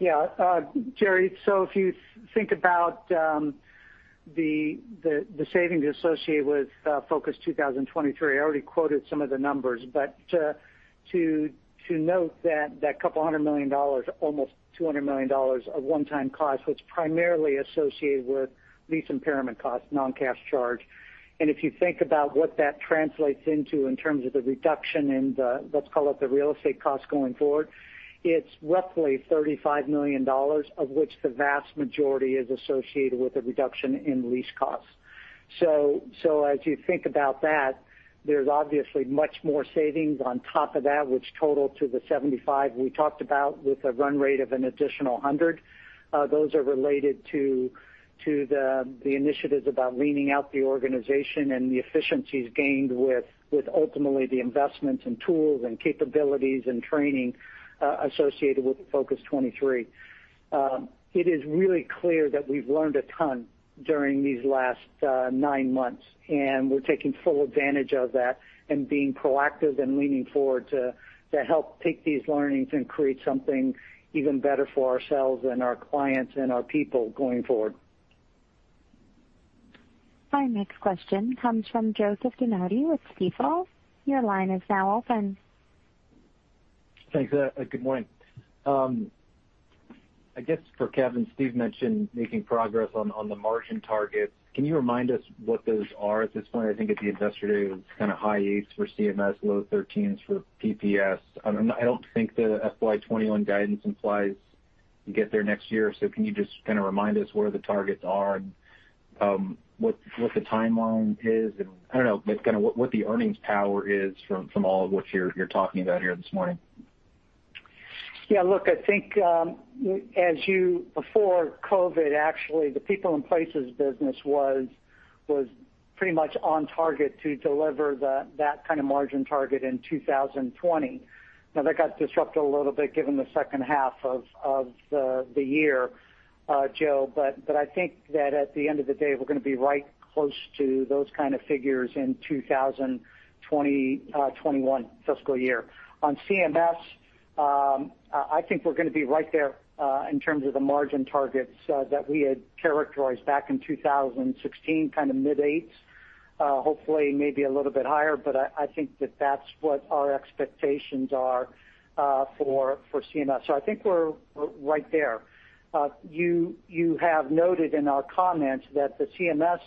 Yeah, Jerry, so if you think about the savings associated with Focus 2023, I already quoted some of the numbers, but to note that that couple of hundred million, almost $200 million of one-time costs was primarily associated with lease impairment costs, non-cash charge. And if you think about what that translates into in terms of the reduction in the, let's call it the real estate costs going forward, it's roughly $35 million, of which the vast majority is associated with a reduction in lease costs. So as you think about that, there's obviously much more savings on top of that, which total to the $75 million we talked about with a run rate of an additional $100 million. Those are related to the initiatives about leaning out the organization and the efficiencies gained with ultimately the investments and tools and capabilities and training associated with Focus 2023. It is really clear that we've learned a ton during these last nine months, and we're taking full advantage of that and being proactive and leaning forward to help take these learnings and create something even better for ourselves and our clients and our people going forward. Our next question comes from Joseph DeNardi with Stifel. Your line is now open. Thanks. Good morning. I guess for Kevin, Steve mentioned making progress on the margin targets. Can you remind us what those are at this point? I think at the investor day, it's kind of high eights for CMS, low 13s for P&PS. I don't think the FY 2021 guidance implies you get there next year. So can you just kind of remind us where the targets are and what the timeline is? And I don't know, but kind of what the earnings power is from all of what you're talking about here this morning. Yeah, look, I think as you before COVID, actually, the people and places business was pretty much on target to deliver that kind of margin target in 2020. Now, that got disrupted a little bit given the second half of the year, Joe, but I think that at the end of the day, we're going to be right close to those kind of figures in 2021 fiscal year. On CMS, I think we're going to be right there in terms of the margin targets that we had characterized back in 2016, kind of mid-eights, hopefully maybe a little bit higher, but I think that that's what our expectations are for CMS. So I think we're right there. You have noted in our comments that the CMS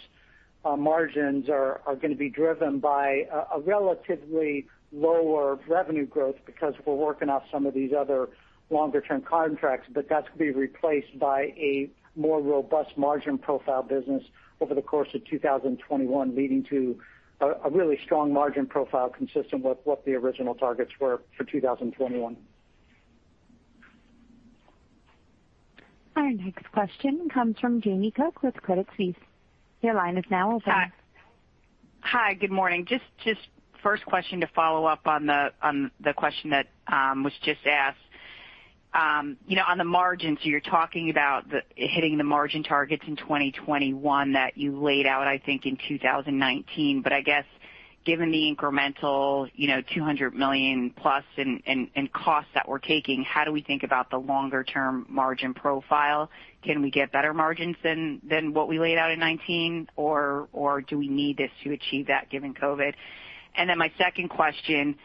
margins are going to be driven by a relatively lower revenue growth because we're working off some of these other longer-term contracts, but that's going to be replaced by a more robust margin profile business over the course of 2021, leading to a really strong margin profile consistent with what the original targets were for 2021. Our next question comes from Jamie Cook with Credit Suisse. Your line is now open. Hi, good morning. Just first question to follow up on the question that was just asked. On the margins, you're talking about hitting the margin targets in 2021 that you laid out, I think, in 2019, but I guess given the incremental $200 million+ in costs that we're taking, how do we think about the longer-term margin profile? Can we get better margins than what we laid out in 2019, or do we need this to achieve that given COVID? And then my second question,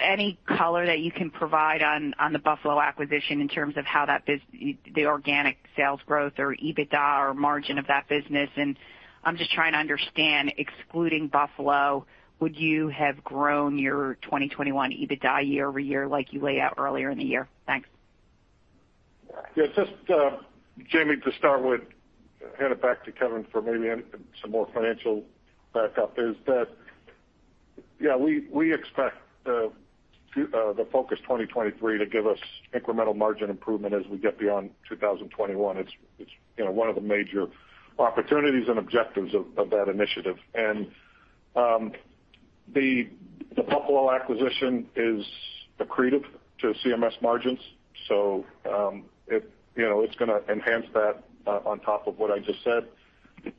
any color that you can provide on the Buffalo acquisition in terms of how the organic sales growth or EBITDA or margin of that business? And I'm just trying to understand, excluding Buffalo, would you have grown your 2021 EBITDA year-over-year like you laid out earlier in the year? Thanks. Yeah, just Jamie, to start with, hand it back to Kevin for maybe some more financial backup, is that, yeah, we expect the Focus 2023 to give us incremental margin improvement as we get beyond 2021. It's one of the major opportunities and objectives of that initiative. And the Buffalo acquisition is accretive to CMS margins, so it's going to enhance that on top of what I just said.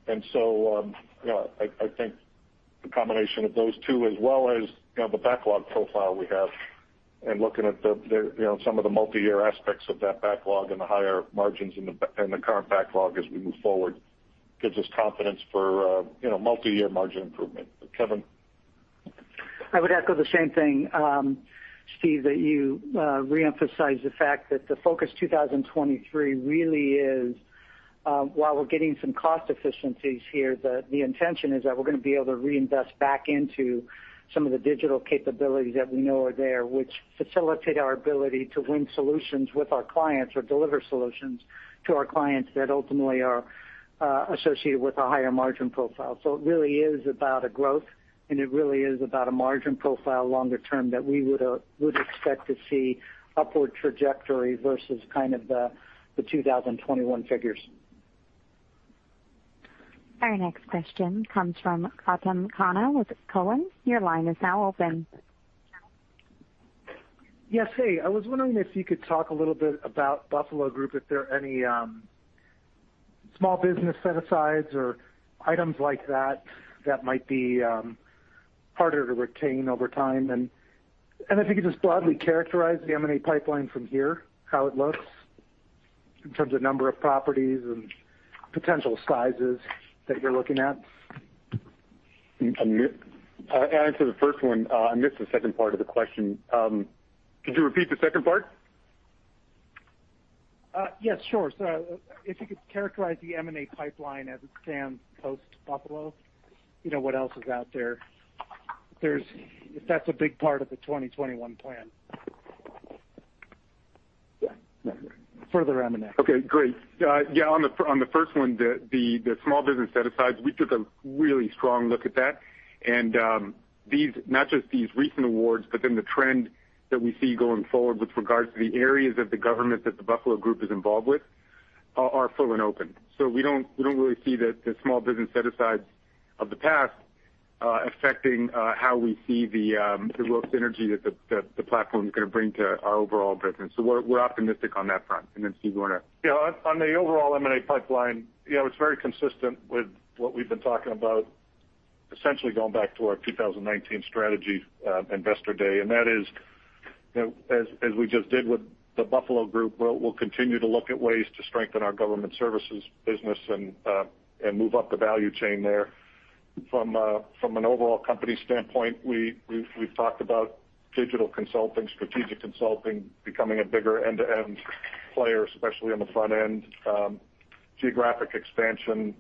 And so I think the combination of those two, as well as the backlog profile we have, and looking at some of the multi-year aspects of that backlog and the higher margins in the current backlog as we move forward, gives us confidence for multi-year margin improvement. Kevin. I would echo the same thing, Steve, that you reemphasize the fact that the Focus 2023 really is, while we're getting some cost efficiencies here, the intention is that we're going to be able to reinvest back into some of the digital capabilities that we know are there, which facilitate our ability to win solutions with our clients or deliver solutions to our clients that ultimately are associated with a higher margin profile. So it really is about a growth, and it really is about a margin profile longer term that we would expect to see upward trajectory versus kind of the 2021 figures. Our next question comes from Gautam Khanna with Cowen. Your line is now open. Yes, hey, I was wondering if you could talk a little bit about Buffalo Group, if there are any small business set-asides or items like that that might be harder to retain over time. And if you could just broadly characterize the M&A pipeline from here, how it looks in terms of number of properties and potential sizes that you're looking at. And to the first one, and this is the second part of the question. Could you repeat the second part? Yes, sure. So if you could characterize the M&A pipeline as it stands post-Buffalo, what else is out there? If that's a big part of the 2021 plan. Yeah, that's right. Further M&A. Okay, great. Yeah, on the first one, the small business set-asides, we took a really strong look at that. And not just these recent awards, but then the trend that we see going forward with regards to the areas of the government that the Buffalo Group is involved with are full and open. So we don't really see the small business set-asides of the past affecting how we see the real synergy that the platform is going to bring to our overall business. So we're optimistic on that front. And then Steve, you want to? Yeah, on the overall M&A pipeline, yeah, it's very consistent with what we've been talking about, essentially going back to our 2019 strategy investor day. and that is, as we just did with the Buffalo Group, we'll continue to look at ways to strengthen our government services business and move up the value chain there. From an overall company standpoint, we've talked about digital consulting, strategic consulting, becoming a bigger end-to-end player, especially on the front end. Geographic expansion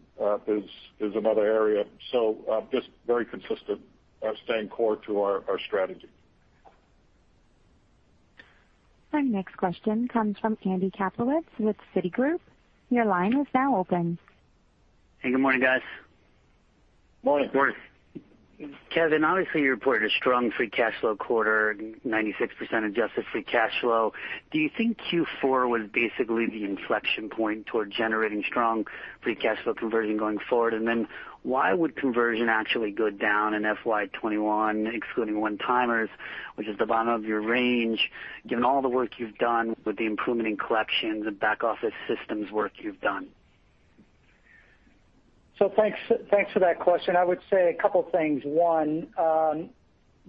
is another area. So just very consistent, staying core to our strategy. Our next question comes from Andy Kaplowitz with Citigroup. Your line is now open. Hey, good morning, guys. Morning. Morning. Kevin, obviously, you reported a strong free cash flow quarter, 96% adjusted free cash flow. Do you think Q4 was basically the inflection point toward generating strong free cash flow conversion going forward? And then why would conversion actually go down in FY 2021, excluding one-timers, which is the bottom of your range, given all the work you've done with the improvement in collections and back office systems work you've done? So thanks for that question. I would say a couple of things. One,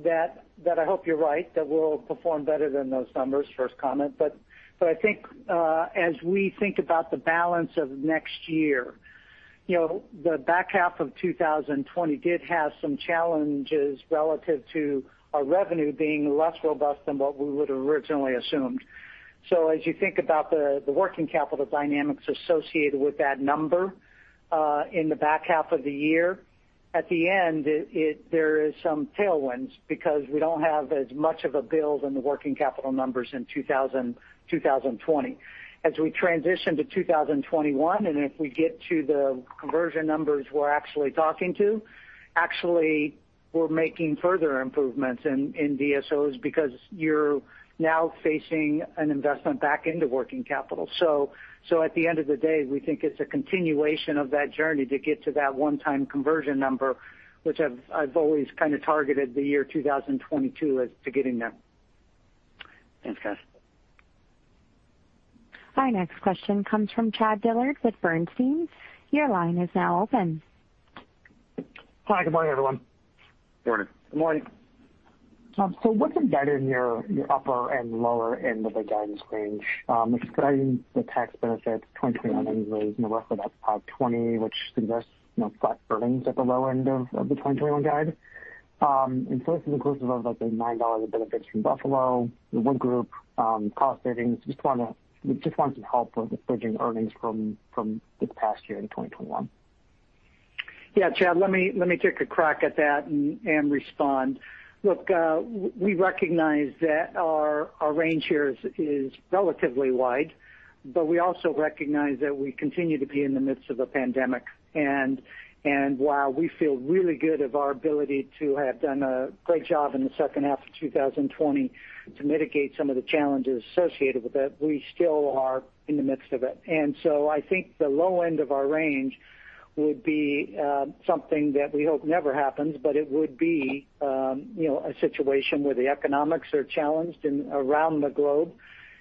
that I hope you're right, that we'll perform better than those numbers, first comment. But I think as we think about the balance of next year, the back half of 2020 did have some challenges relative to our revenue being less robust than what we would have originally assumed. So as you think about the working capital dynamics associated with that number in the back half of the year, at the end, there are some tailwinds because we don't have as much of a build on the working capital numbers in 2020. As we transition to 2021, and if we get to the conversion numbers we're actually talking to, actually we're making further improvements in DSOs because you're now facing an investment back into working capital. So at the end of the day, we think it's a continuation of that journey to get to that one-time conversion number, which I've always kind of targeted the year 2022 as to getting there. Thanks, guys. Our next question comes from Chad Dillard with Bernstein. Your line is now open. Hi, good morning, everyone. Morning. Good morning. So what's embedded in your upper and lower end of the guidance range? It's guiding the tax benefits 2021 annually in the roughly about $520, which suggests flat earnings at the low end of the 2021 guide. And so this is inclusive of the $9 of benefits from Buffalo, the Wood Group, cost savings. We just want some help with bridging earnings from this past year into 2021. Yeah, Chad, let me take a crack at that and respond. Look, we recognize that our range here is relatively wide, but we also recognize that we continue to be in the midst of a pandemic, and while we feel really good of our ability to have done a great job in the second half of 2020 to mitigate some of the challenges associated with it, we still are in the midst of it, and so I think the low end of our range would be something that we hope never happens, but it would be a situation where the economics are challenged around the globe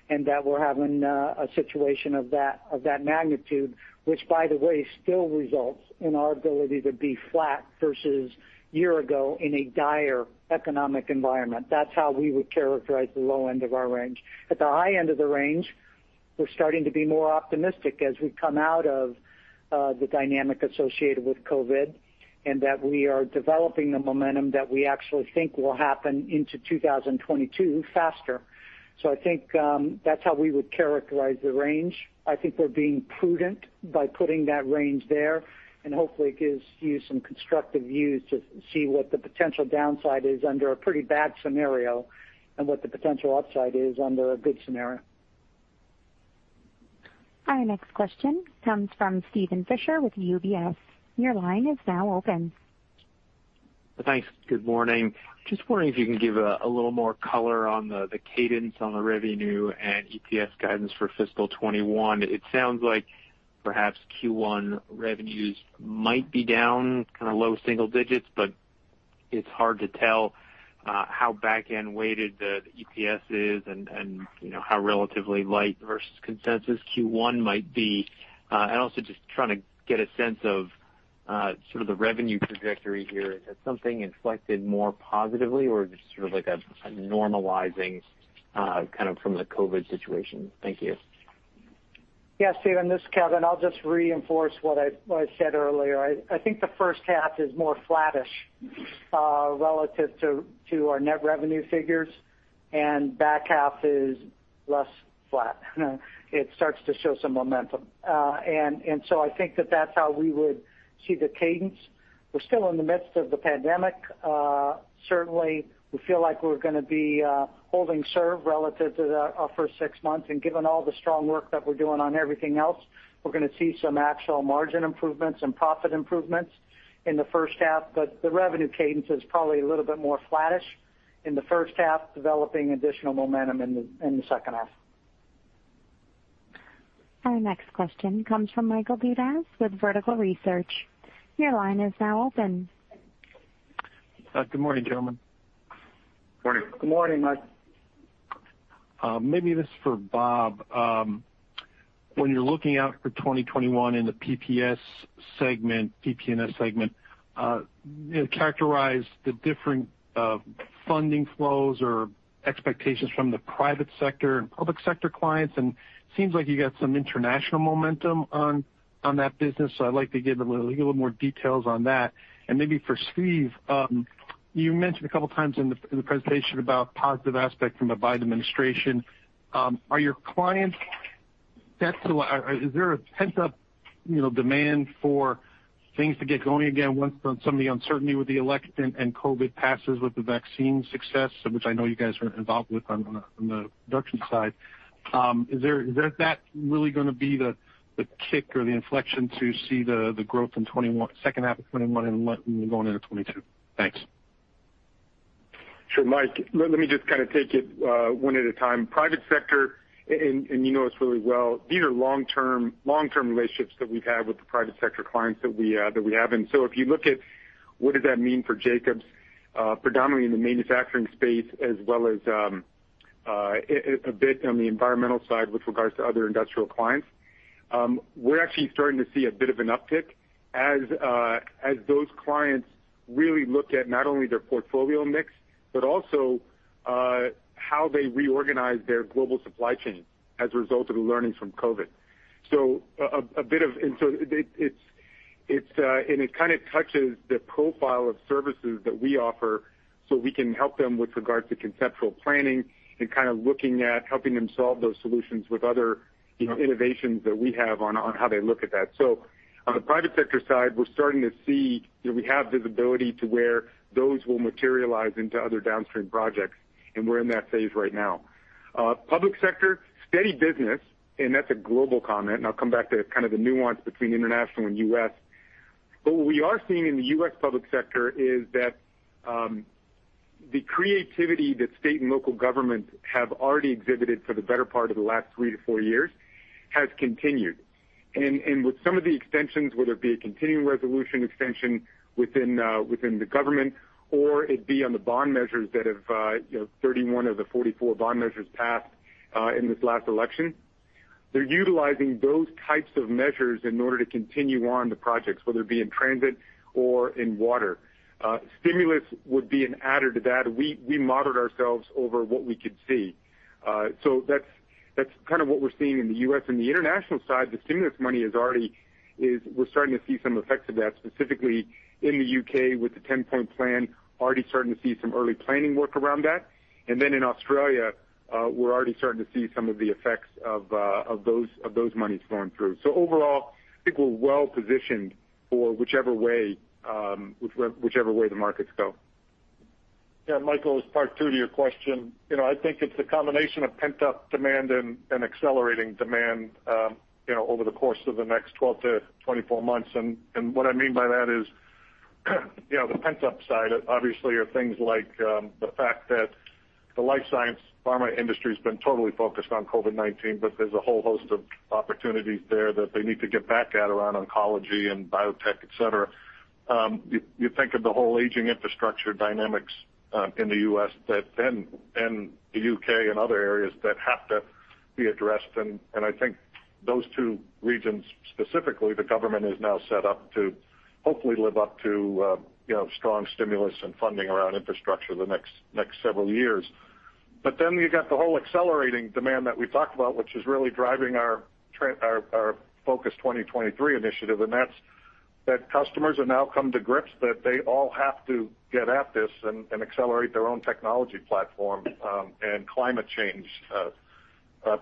and that we're having a situation of that magnitude, which, by the way, still results in our ability to be flat versus a year ago in a dire economic environment. That's how we would characterize the low end of our range. At the high end of the range, we're starting to be more optimistic as we come out of the dynamic associated with COVID and that we are developing the momentum that we actually think will happen into 2022 faster. So I think that's how we would characterize the range. I think we're being prudent by putting that range there and hopefully gives you some constructive views to see what the potential downside is under a pretty bad scenario and what the potential upside is under a good scenario. Our next question comes from Steven Fisher with UBS. Your line is now open. Thanks. Good morning. Just wondering if you can give a little more color on the cadence on the revenue and EPS guidance for fiscal 2021? It sounds like perhaps Q1 revenues might be down, kind of low single-digits, but it's hard to tell how back-end weighted the EPS is and how relatively light versus consensus Q1 might be. And also just trying to get a sense of sort of the revenue trajectory here. Is that something inflected more positively or just sort of like a normalizing kind of from the COVID situation? Thank you. Yes, Steven, this is Kevin. I'll just reinforce what I said earlier. I think the first half is more flattish relative to our net revenue figures, and the back half is less flat. It starts to show some momentum. And so I think that that's how we would see the cadence. We're still in the midst of the pandemic. Certainly, we feel like we're going to be holding serve relative to the upper six months. And given all the strong work that we're doing on everything else, we're going to see some actual margin improvements and profit improvements in the first half. But the revenue cadence is probably a little bit more flattish in the first half, developing additional momentum in the second half. Our next question comes from Michael Dudas with Vertical Research. Your line is now open. Good morning, gentlemen. Good morning. Good morning, Mike. Maybe this is for Bob. When you're looking out for 2021 in the P&PS segment, PP&S segment, characterize the different funding flows or expectations from the private sector and public sector clients. And it seems like you got some international momentum on that business. So I'd like to get a little more details on that. And maybe for Steve, you mentioned a couple of times in the presentation about positive aspects from the Biden administration. Are your clients set to, is there a pent-up demand for things to get going again once some of the uncertainty with the election and COVID passes with the vaccine success, which I know you guys are involved with on the production side? Is that really going to be the kick or the inflection to see the growth in the second half of 2021 and going into 2022? Thanks. Sure, Mike. Let me just kind of take it one at a time. Private sector, and you know us really well, these are long-term relationships that we've had with the private sector clients that we have. And so if you look at what does that mean for Jacobs, predominantly in the manufacturing space, as well as a bit on the environmental side with regards to other industrial clients, we're actually starting to see a bit of an uptick as those clients really look at not only their portfolio mix, but also how they reorganize their global supply chain as a result of the learnings from COVID. So a bit of, and it kind of touches the profile of services that we offer, so we can help them with regards to conceptual planning and kind of looking at helping them solve those solutions with other innovations that we have on how they look at that. So on the private sector side, we're starting to see we have visibility to where those will materialize into other downstream projects, and we're in that phase right now. Public sector, steady business, and that's a global comment. And I'll come back to kind of the nuance between international and US. But what we are seeing in the US public sector is that the creativity that state and local governments have already exhibited for the better part of the last three to four years has continued. And with some of the extensions, whether it be a continuing resolution extension within the government or it be on the bond measures that have, 31 of the 44 bond measures passed in this last election, they're utilizing those types of measures in order to continue on the projects, whether it be in transit or in water. Stimulus would be an added to that. We modeled ourselves over what we could see. So that's kind of what we're seeing in the US. On the international side, the stimulus money is already, we're starting to see some effects of that, specifically in the U.K. with the Ten Point plan, already starting to see some early planning work around that. Then in Australia, we're already starting to see some of the effects of those monies going through. Overall, I think we're well positioned for whichever way the markets go. Yeah, Michael, as part two to your question, I think it's a combination of pent-up demand and accelerating demand over the course of the next 12-24 months. What I mean by that is the pent-up side, obviously, are things like the fact that the life sciences pharma industry has been totally focused on COVID-19, but there's a whole host of opportunities there that they need to get back at around oncology and biotech, etc. You think of the whole aging infrastructure dynamics in the U.S. and the U.K. and other areas that have to be addressed, and I think those two regions, specifically, the government is now set up to hopefully live up to strong stimulus and funding around infrastructure the next several years, but then you got the whole accelerating demand that we talked about, which is really driving our Focus 2023 initiative, and that's that customers have now come to grips that they all have to get at this and accelerate their own technology platform and climate change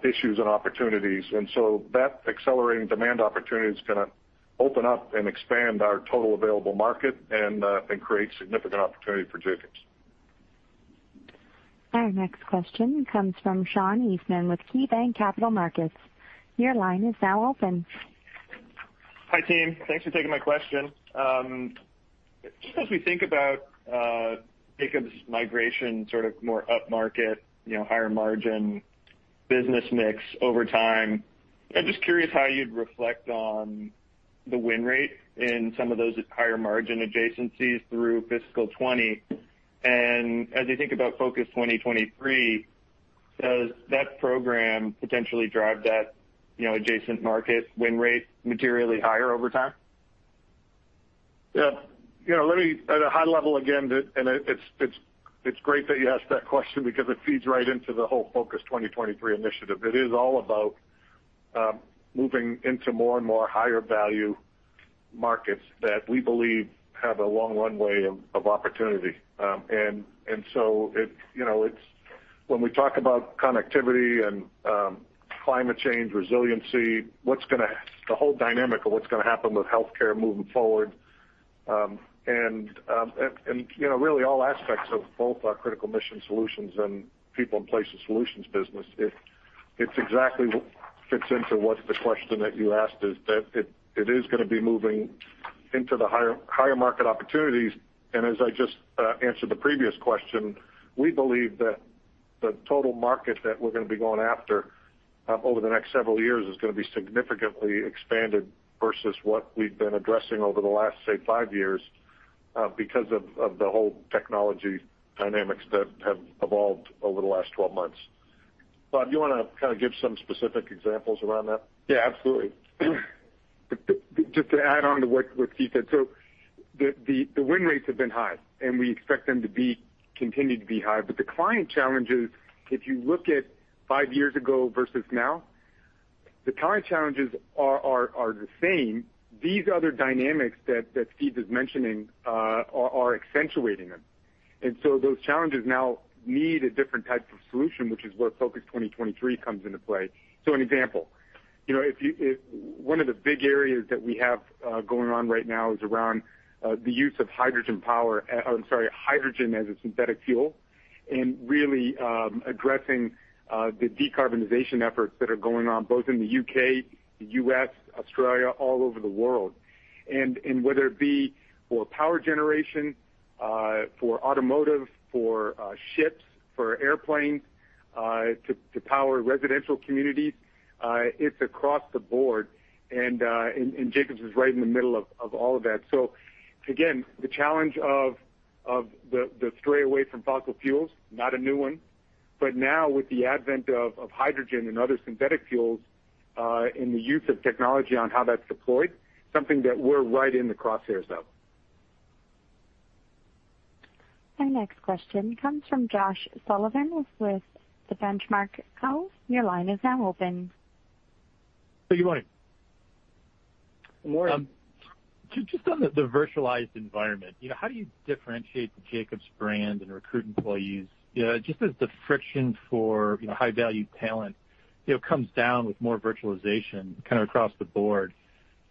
issues and opportunities, and so that accelerating demand opportunity is going to open up and expand our total available market and create significant opportunity for Jacobs. Our next question comes from Sean Eastman with KeyBank Capital Markets. Your line is now open. Hi, team. Thanks for taking my question. Just as we think about Jacobs' migration, sort of more up-market, higher-margin business mix over time, I'm just curious how you'd reflect on the win rate in some of those higher-margin adjacencies through fiscal 2020, and as you think about Focus 2023, does that program potentially drive that adjacent market win rate materially higher over time? Yeah. At a high level, again, and it's great that you asked that question because it feeds right into the whole Focus 2023 initiative. It is all about moving into more and more higher-value markets that we believe have a long runway of opportunity. And so when we talk about connectivity and climate change resiliency, the whole dynamic of what's going to happen with healthcare moving forward, and really all aspects of both our critical mission solutions and people and places solutions business, it exactly fits into what the question that you asked is that it is going to be moving into the higher-market opportunities. And as I just answered the previous question, we believe that the total market that we're going to be going after over the next several years is going to be significantly expanded versus what we've been addressing over the last, say, five years because of the whole technology dynamics that have evolved over the last 12 months. Bob, do you want to kind of give some specific examples around that? Yeah, absolutely. Just to add on to what Steve said, so the win rates have been high, and we expect them to continue to be high. But the client challenges, if you look at five years ago versus now, the client challenges are the same. These other dynamics that Keith is mentioning are accentuating them. And so those challenges now need a different type of solution, which is where Focus 2023 comes into play. So an example, one of the big areas that we have going on right now is around the use of hydrogen power. I'm sorry, hydrogen as a synthetic fuel, and really addressing the decarbonization efforts that are going on both in the U.K., the U.S., Australia, all over the world. And whether it be for power generation, for automotive, for ships, for airplanes, to power residential communities, it's across the board. And Jacobs is right in the middle of all of that. So again, the challenge of the stray away from fossil fuels, not a new one. But now with the advent of hydrogen and other synthetic fuels and the use of technology on how that's deployed, something that we're right in the crosshairs of. Our next question comes from Josh Sullivan with the Benchmark Co. Your line is now open. Hey, good morning. Good morning. Just on the virtualized environment, how do you differentiate Jacobs' brand and recruit employees? Just as the friction for high-value talent comes down with more virtualization kind of across the board,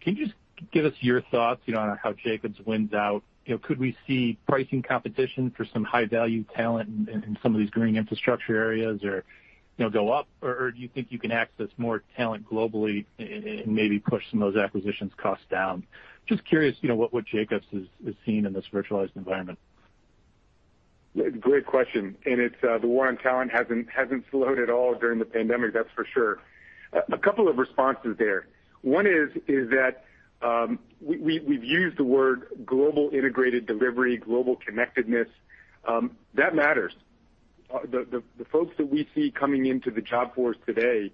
can you just give us your thoughts on how Jacobs wins out? Could we see pricing competition for some high-value talent in some of these green infrastructure areas go up? Or do you think you can access more talent globally and maybe push some of those acquisitions' costs down? Just curious what Jacobs is seeing in this virtualized environment. Great question. And the war on talent hasn't slowed at all during the pandemic, that's for sure. A couple of responses there. One is that we've used the word global integrated delivery, global connectedness. That matters. The folks that we see coming into the workforce today,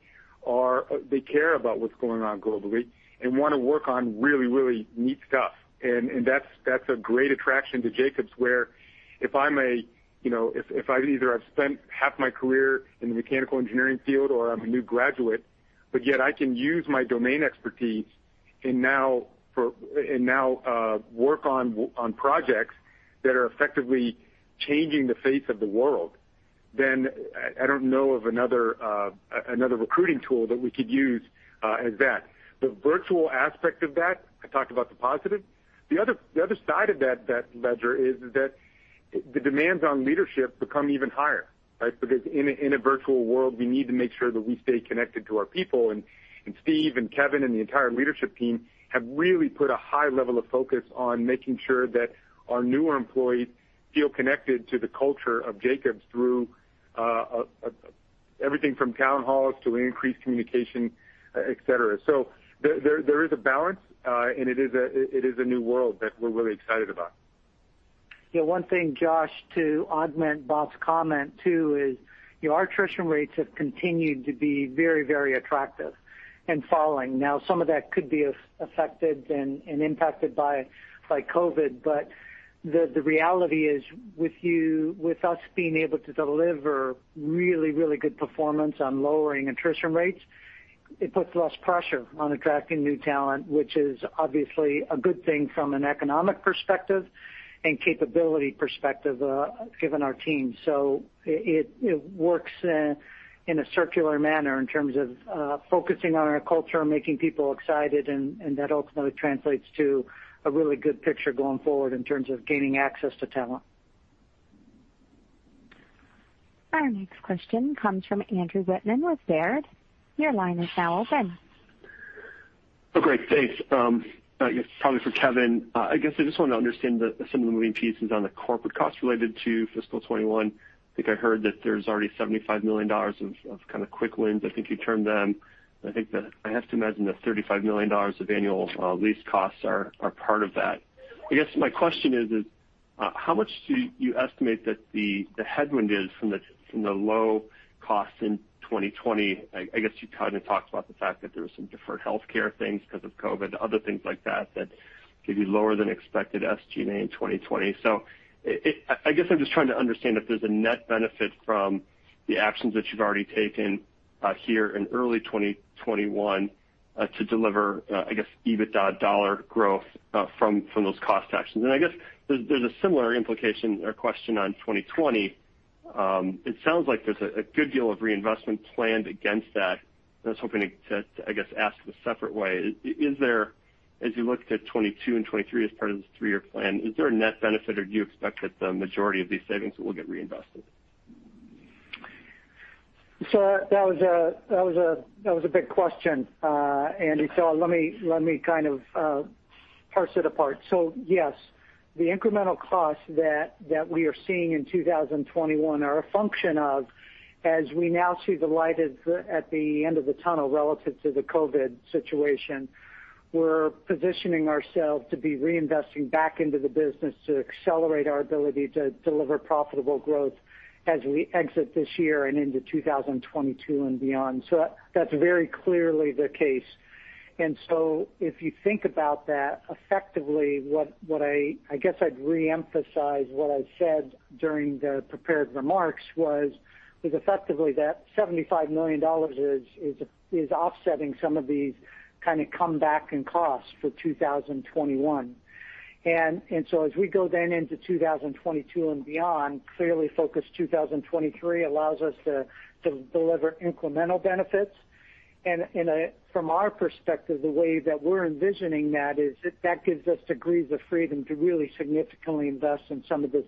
they care about what's going on globally and want to work on really, really neat stuff. And that's a great attraction to Jacobs where if I've either spent half my career in the mechanical engineering field or I'm a new graduate, but yet I can use my domain expertise and now work on projects that are effectively changing the face of the world, then I don't know of another recruiting tool that we could use as that. The virtual aspect of that, I talked about the positive. The other side of that ledger is that the demands on leadership become even higher, right? Because in a virtual world, we need to make sure that we stay connected to our people. And Steve and Kevin and the entire leadership team have really put a high level of focus on making sure that our newer employees feel connected to the culture of Jacobs through everything from town halls to increased communication, etc. So there is a balance, and it is a new world that we're really excited about. Yeah. One thing, Josh, to augment Bob's comment too is our attrition rates have continued to be very, very attractive and falling. Now, some of that could be affected and impacted by COVID. But the reality is with us being able to deliver really, really good performance on lowering attrition rates, it puts less pressure on attracting new talent, which is obviously a good thing from an economic perspective and capability perspective given our team. So it works in a circular manner in terms of focusing on our culture, making people excited, and that ultimately translates to a really good picture going forward in terms of gaining access to talent. Our next question comes from Andrew Wittmann with Baird. Your line is now open. Oh, great. Thanks. Probably for Kevin, I guess I just want to understand some of the moving pieces on the corporate costs related to fiscal 2021. I think I heard that there's already $75 million of kind of quick wins. I think you termed them. I think that I have to imagine that $35 million of annual lease costs are part of that. I guess my question is, how much do you estimate that the headwind is from the low costs in 2020? I guess you kind of talked about the fact that there were some deferred healthcare things because of COVID, other things like that that could be lower than expected SG&A in 2020. So I guess I'm just trying to understand if there's a net benefit from the actions that you've already taken here in early 2021 to deliver, I guess, EBITDA dollar growth from those cost actions. And I guess there's a similar implication or question on 2020. It sounds like there's a good deal of reinvestment planned against that. I was hoping to, I guess, ask in a separate way. As you look to 2022 and 2023 as part of this three-year plan, is there a net benefit, or do you expect that the majority of these savings will get reinvested? So that was a big question, Andy. So let me kind of parse it apart. So yes, the incremental costs that we are seeing in 2021 are a function of, as we now see the light at the end of the tunnel relative to the COVID situation, we're positioning ourselves to be reinvesting back into the business to accelerate our ability to deliver profitable growth as we exit this year and into 2022 and beyond. So that's very clearly the case. And so if you think about that effectively, what I guess I'd reemphasize what I said during the prepared remarks was effectively that $75 million is offsetting some of these kind of comeback and costs for 2021. And so as we go then into 2022 and beyond, clearly Focus 2023 allows us to deliver incremental benefits. And from our perspective, the way that we're envisioning that is that gives us degrees of freedom to really significantly invest in some of the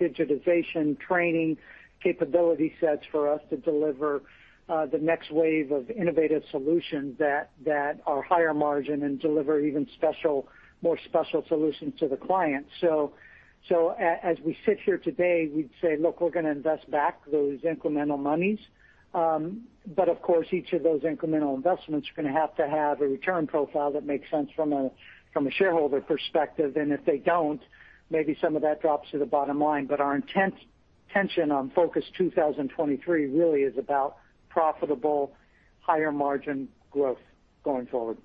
digitization training capability sets for us to deliver the next wave of innovative solutions that are higher margin and deliver even more special solutions to the client. So as we sit here today, we'd say, "Look, we're going to invest back those incremental monies." But of course, each of those incremental investments are going to have to have a return profile that makes sense from a shareholder perspective. And if they don't, maybe some of that drops to the bottom line. But our intention on Focus 2023 really is about profitable, higher-margin growth going forward.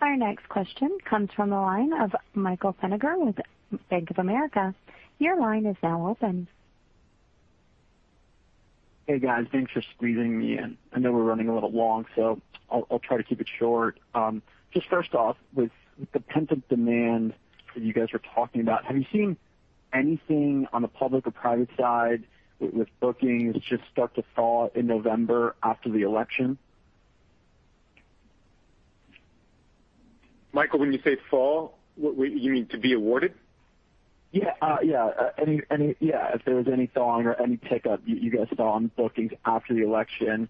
Our next question comes from the line of Michael Feniger with Bank of America. Your line is now open. Hey, guys. Thanks for squeezing me in. I know we're running a little long, so I'll try to keep it short. Just first off, with the pent-up demand that you guys are talking about, have you seen anything on the public or private side with bookings just start to fall in November after the election? Michael, when you say fall, you mean to be awarded? Yeah. Yeah. If there was any thawing or any pickup you guys saw on bookings after the election,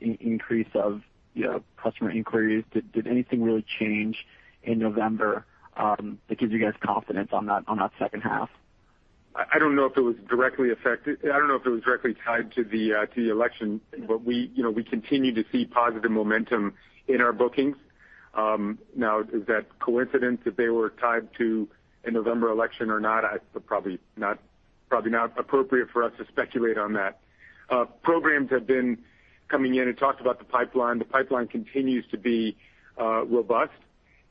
increase of customer inquiries, did anything really change in November that gives you guys confidence on that second half? I don't know if it was directly affected. I don't know if it was directly tied to the election, but we continue to see positive momentum in our bookings. Now, is that coincidence that they were tied to a November election or not? That's probably not appropriate for us to speculate on that. Programs have been coming in and talked about the pipeline. The pipeline continues to be robust,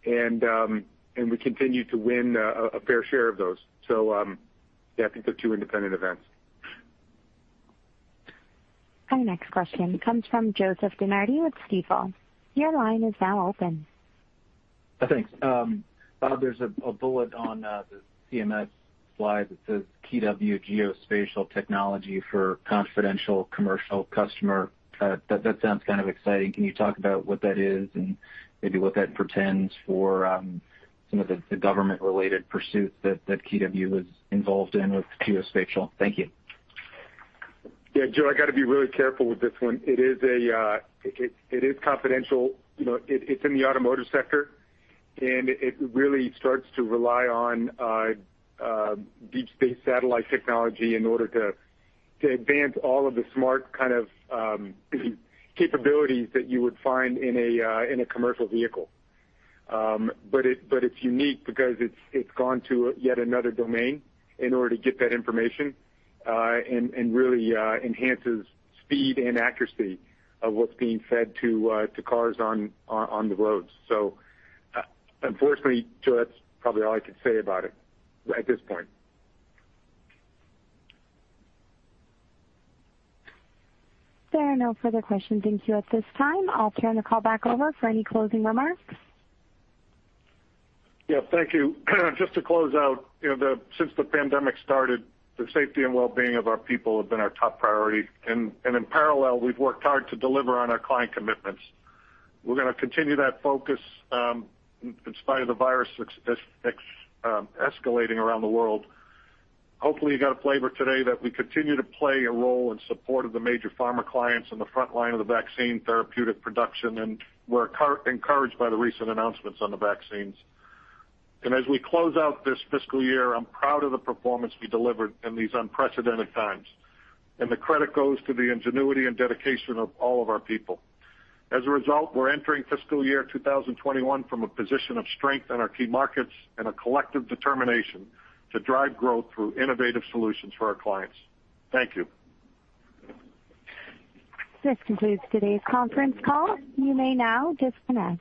and we continue to win a fair share of those. So yeah, I think they're two independent events. Our next question comes from Joseph DeNardi with Stifel Financial Corp. Your line is now open. Thanks. Bob, there's a bullet on the CMS slide that says KeyW Geospatial Technology for Confidential Commercial Customer. That sounds kind of exciting. Can you talk about what that is and maybe what that portends for some of the government-related pursuits that KeyW is involved in with Geospatial? Thank you. Yeah. Joe, I got to be really careful with this one. It is confidential. It's in the automotive sector, and it really starts to rely on deep space satellite technology in order to advance all of the smart kind of capabilities that you would find in a commercial vehicle. But it's unique because it's gone to yet another domain in order to get that information and really enhances speed and accuracy of what's being fed to cars on the roads. So unfortunately, Joe, that's probably all I could say about it at this point. There are no further questions. Thank you at this time. I'll turn the call back over for any closing remarks. Yeah. Thank you. Just to close out, since the pandemic started, the safety and well-being of our people have been our top priority. And in parallel, we've worked hard to deliver on our client commitments. We're going to continue that focus in spite of the virus escalating around the world. Hopefully, you got a flavor today that we continue to play a role in support of the major pharma clients in the front line of the vaccine therapeutic production, and we're encouraged by the recent announcements on the vaccines, and as we close out this fiscal year, I'm proud of the performance we delivered in these unprecedented times, and the credit goes to the ingenuity and dedication of all of our people. As a result, we're entering fiscal year 2021 from a position of strength in our key markets and a collective determination to drive growth through innovative solutions for our clients. Thank you. This concludes today's conference call. You may now disconnect.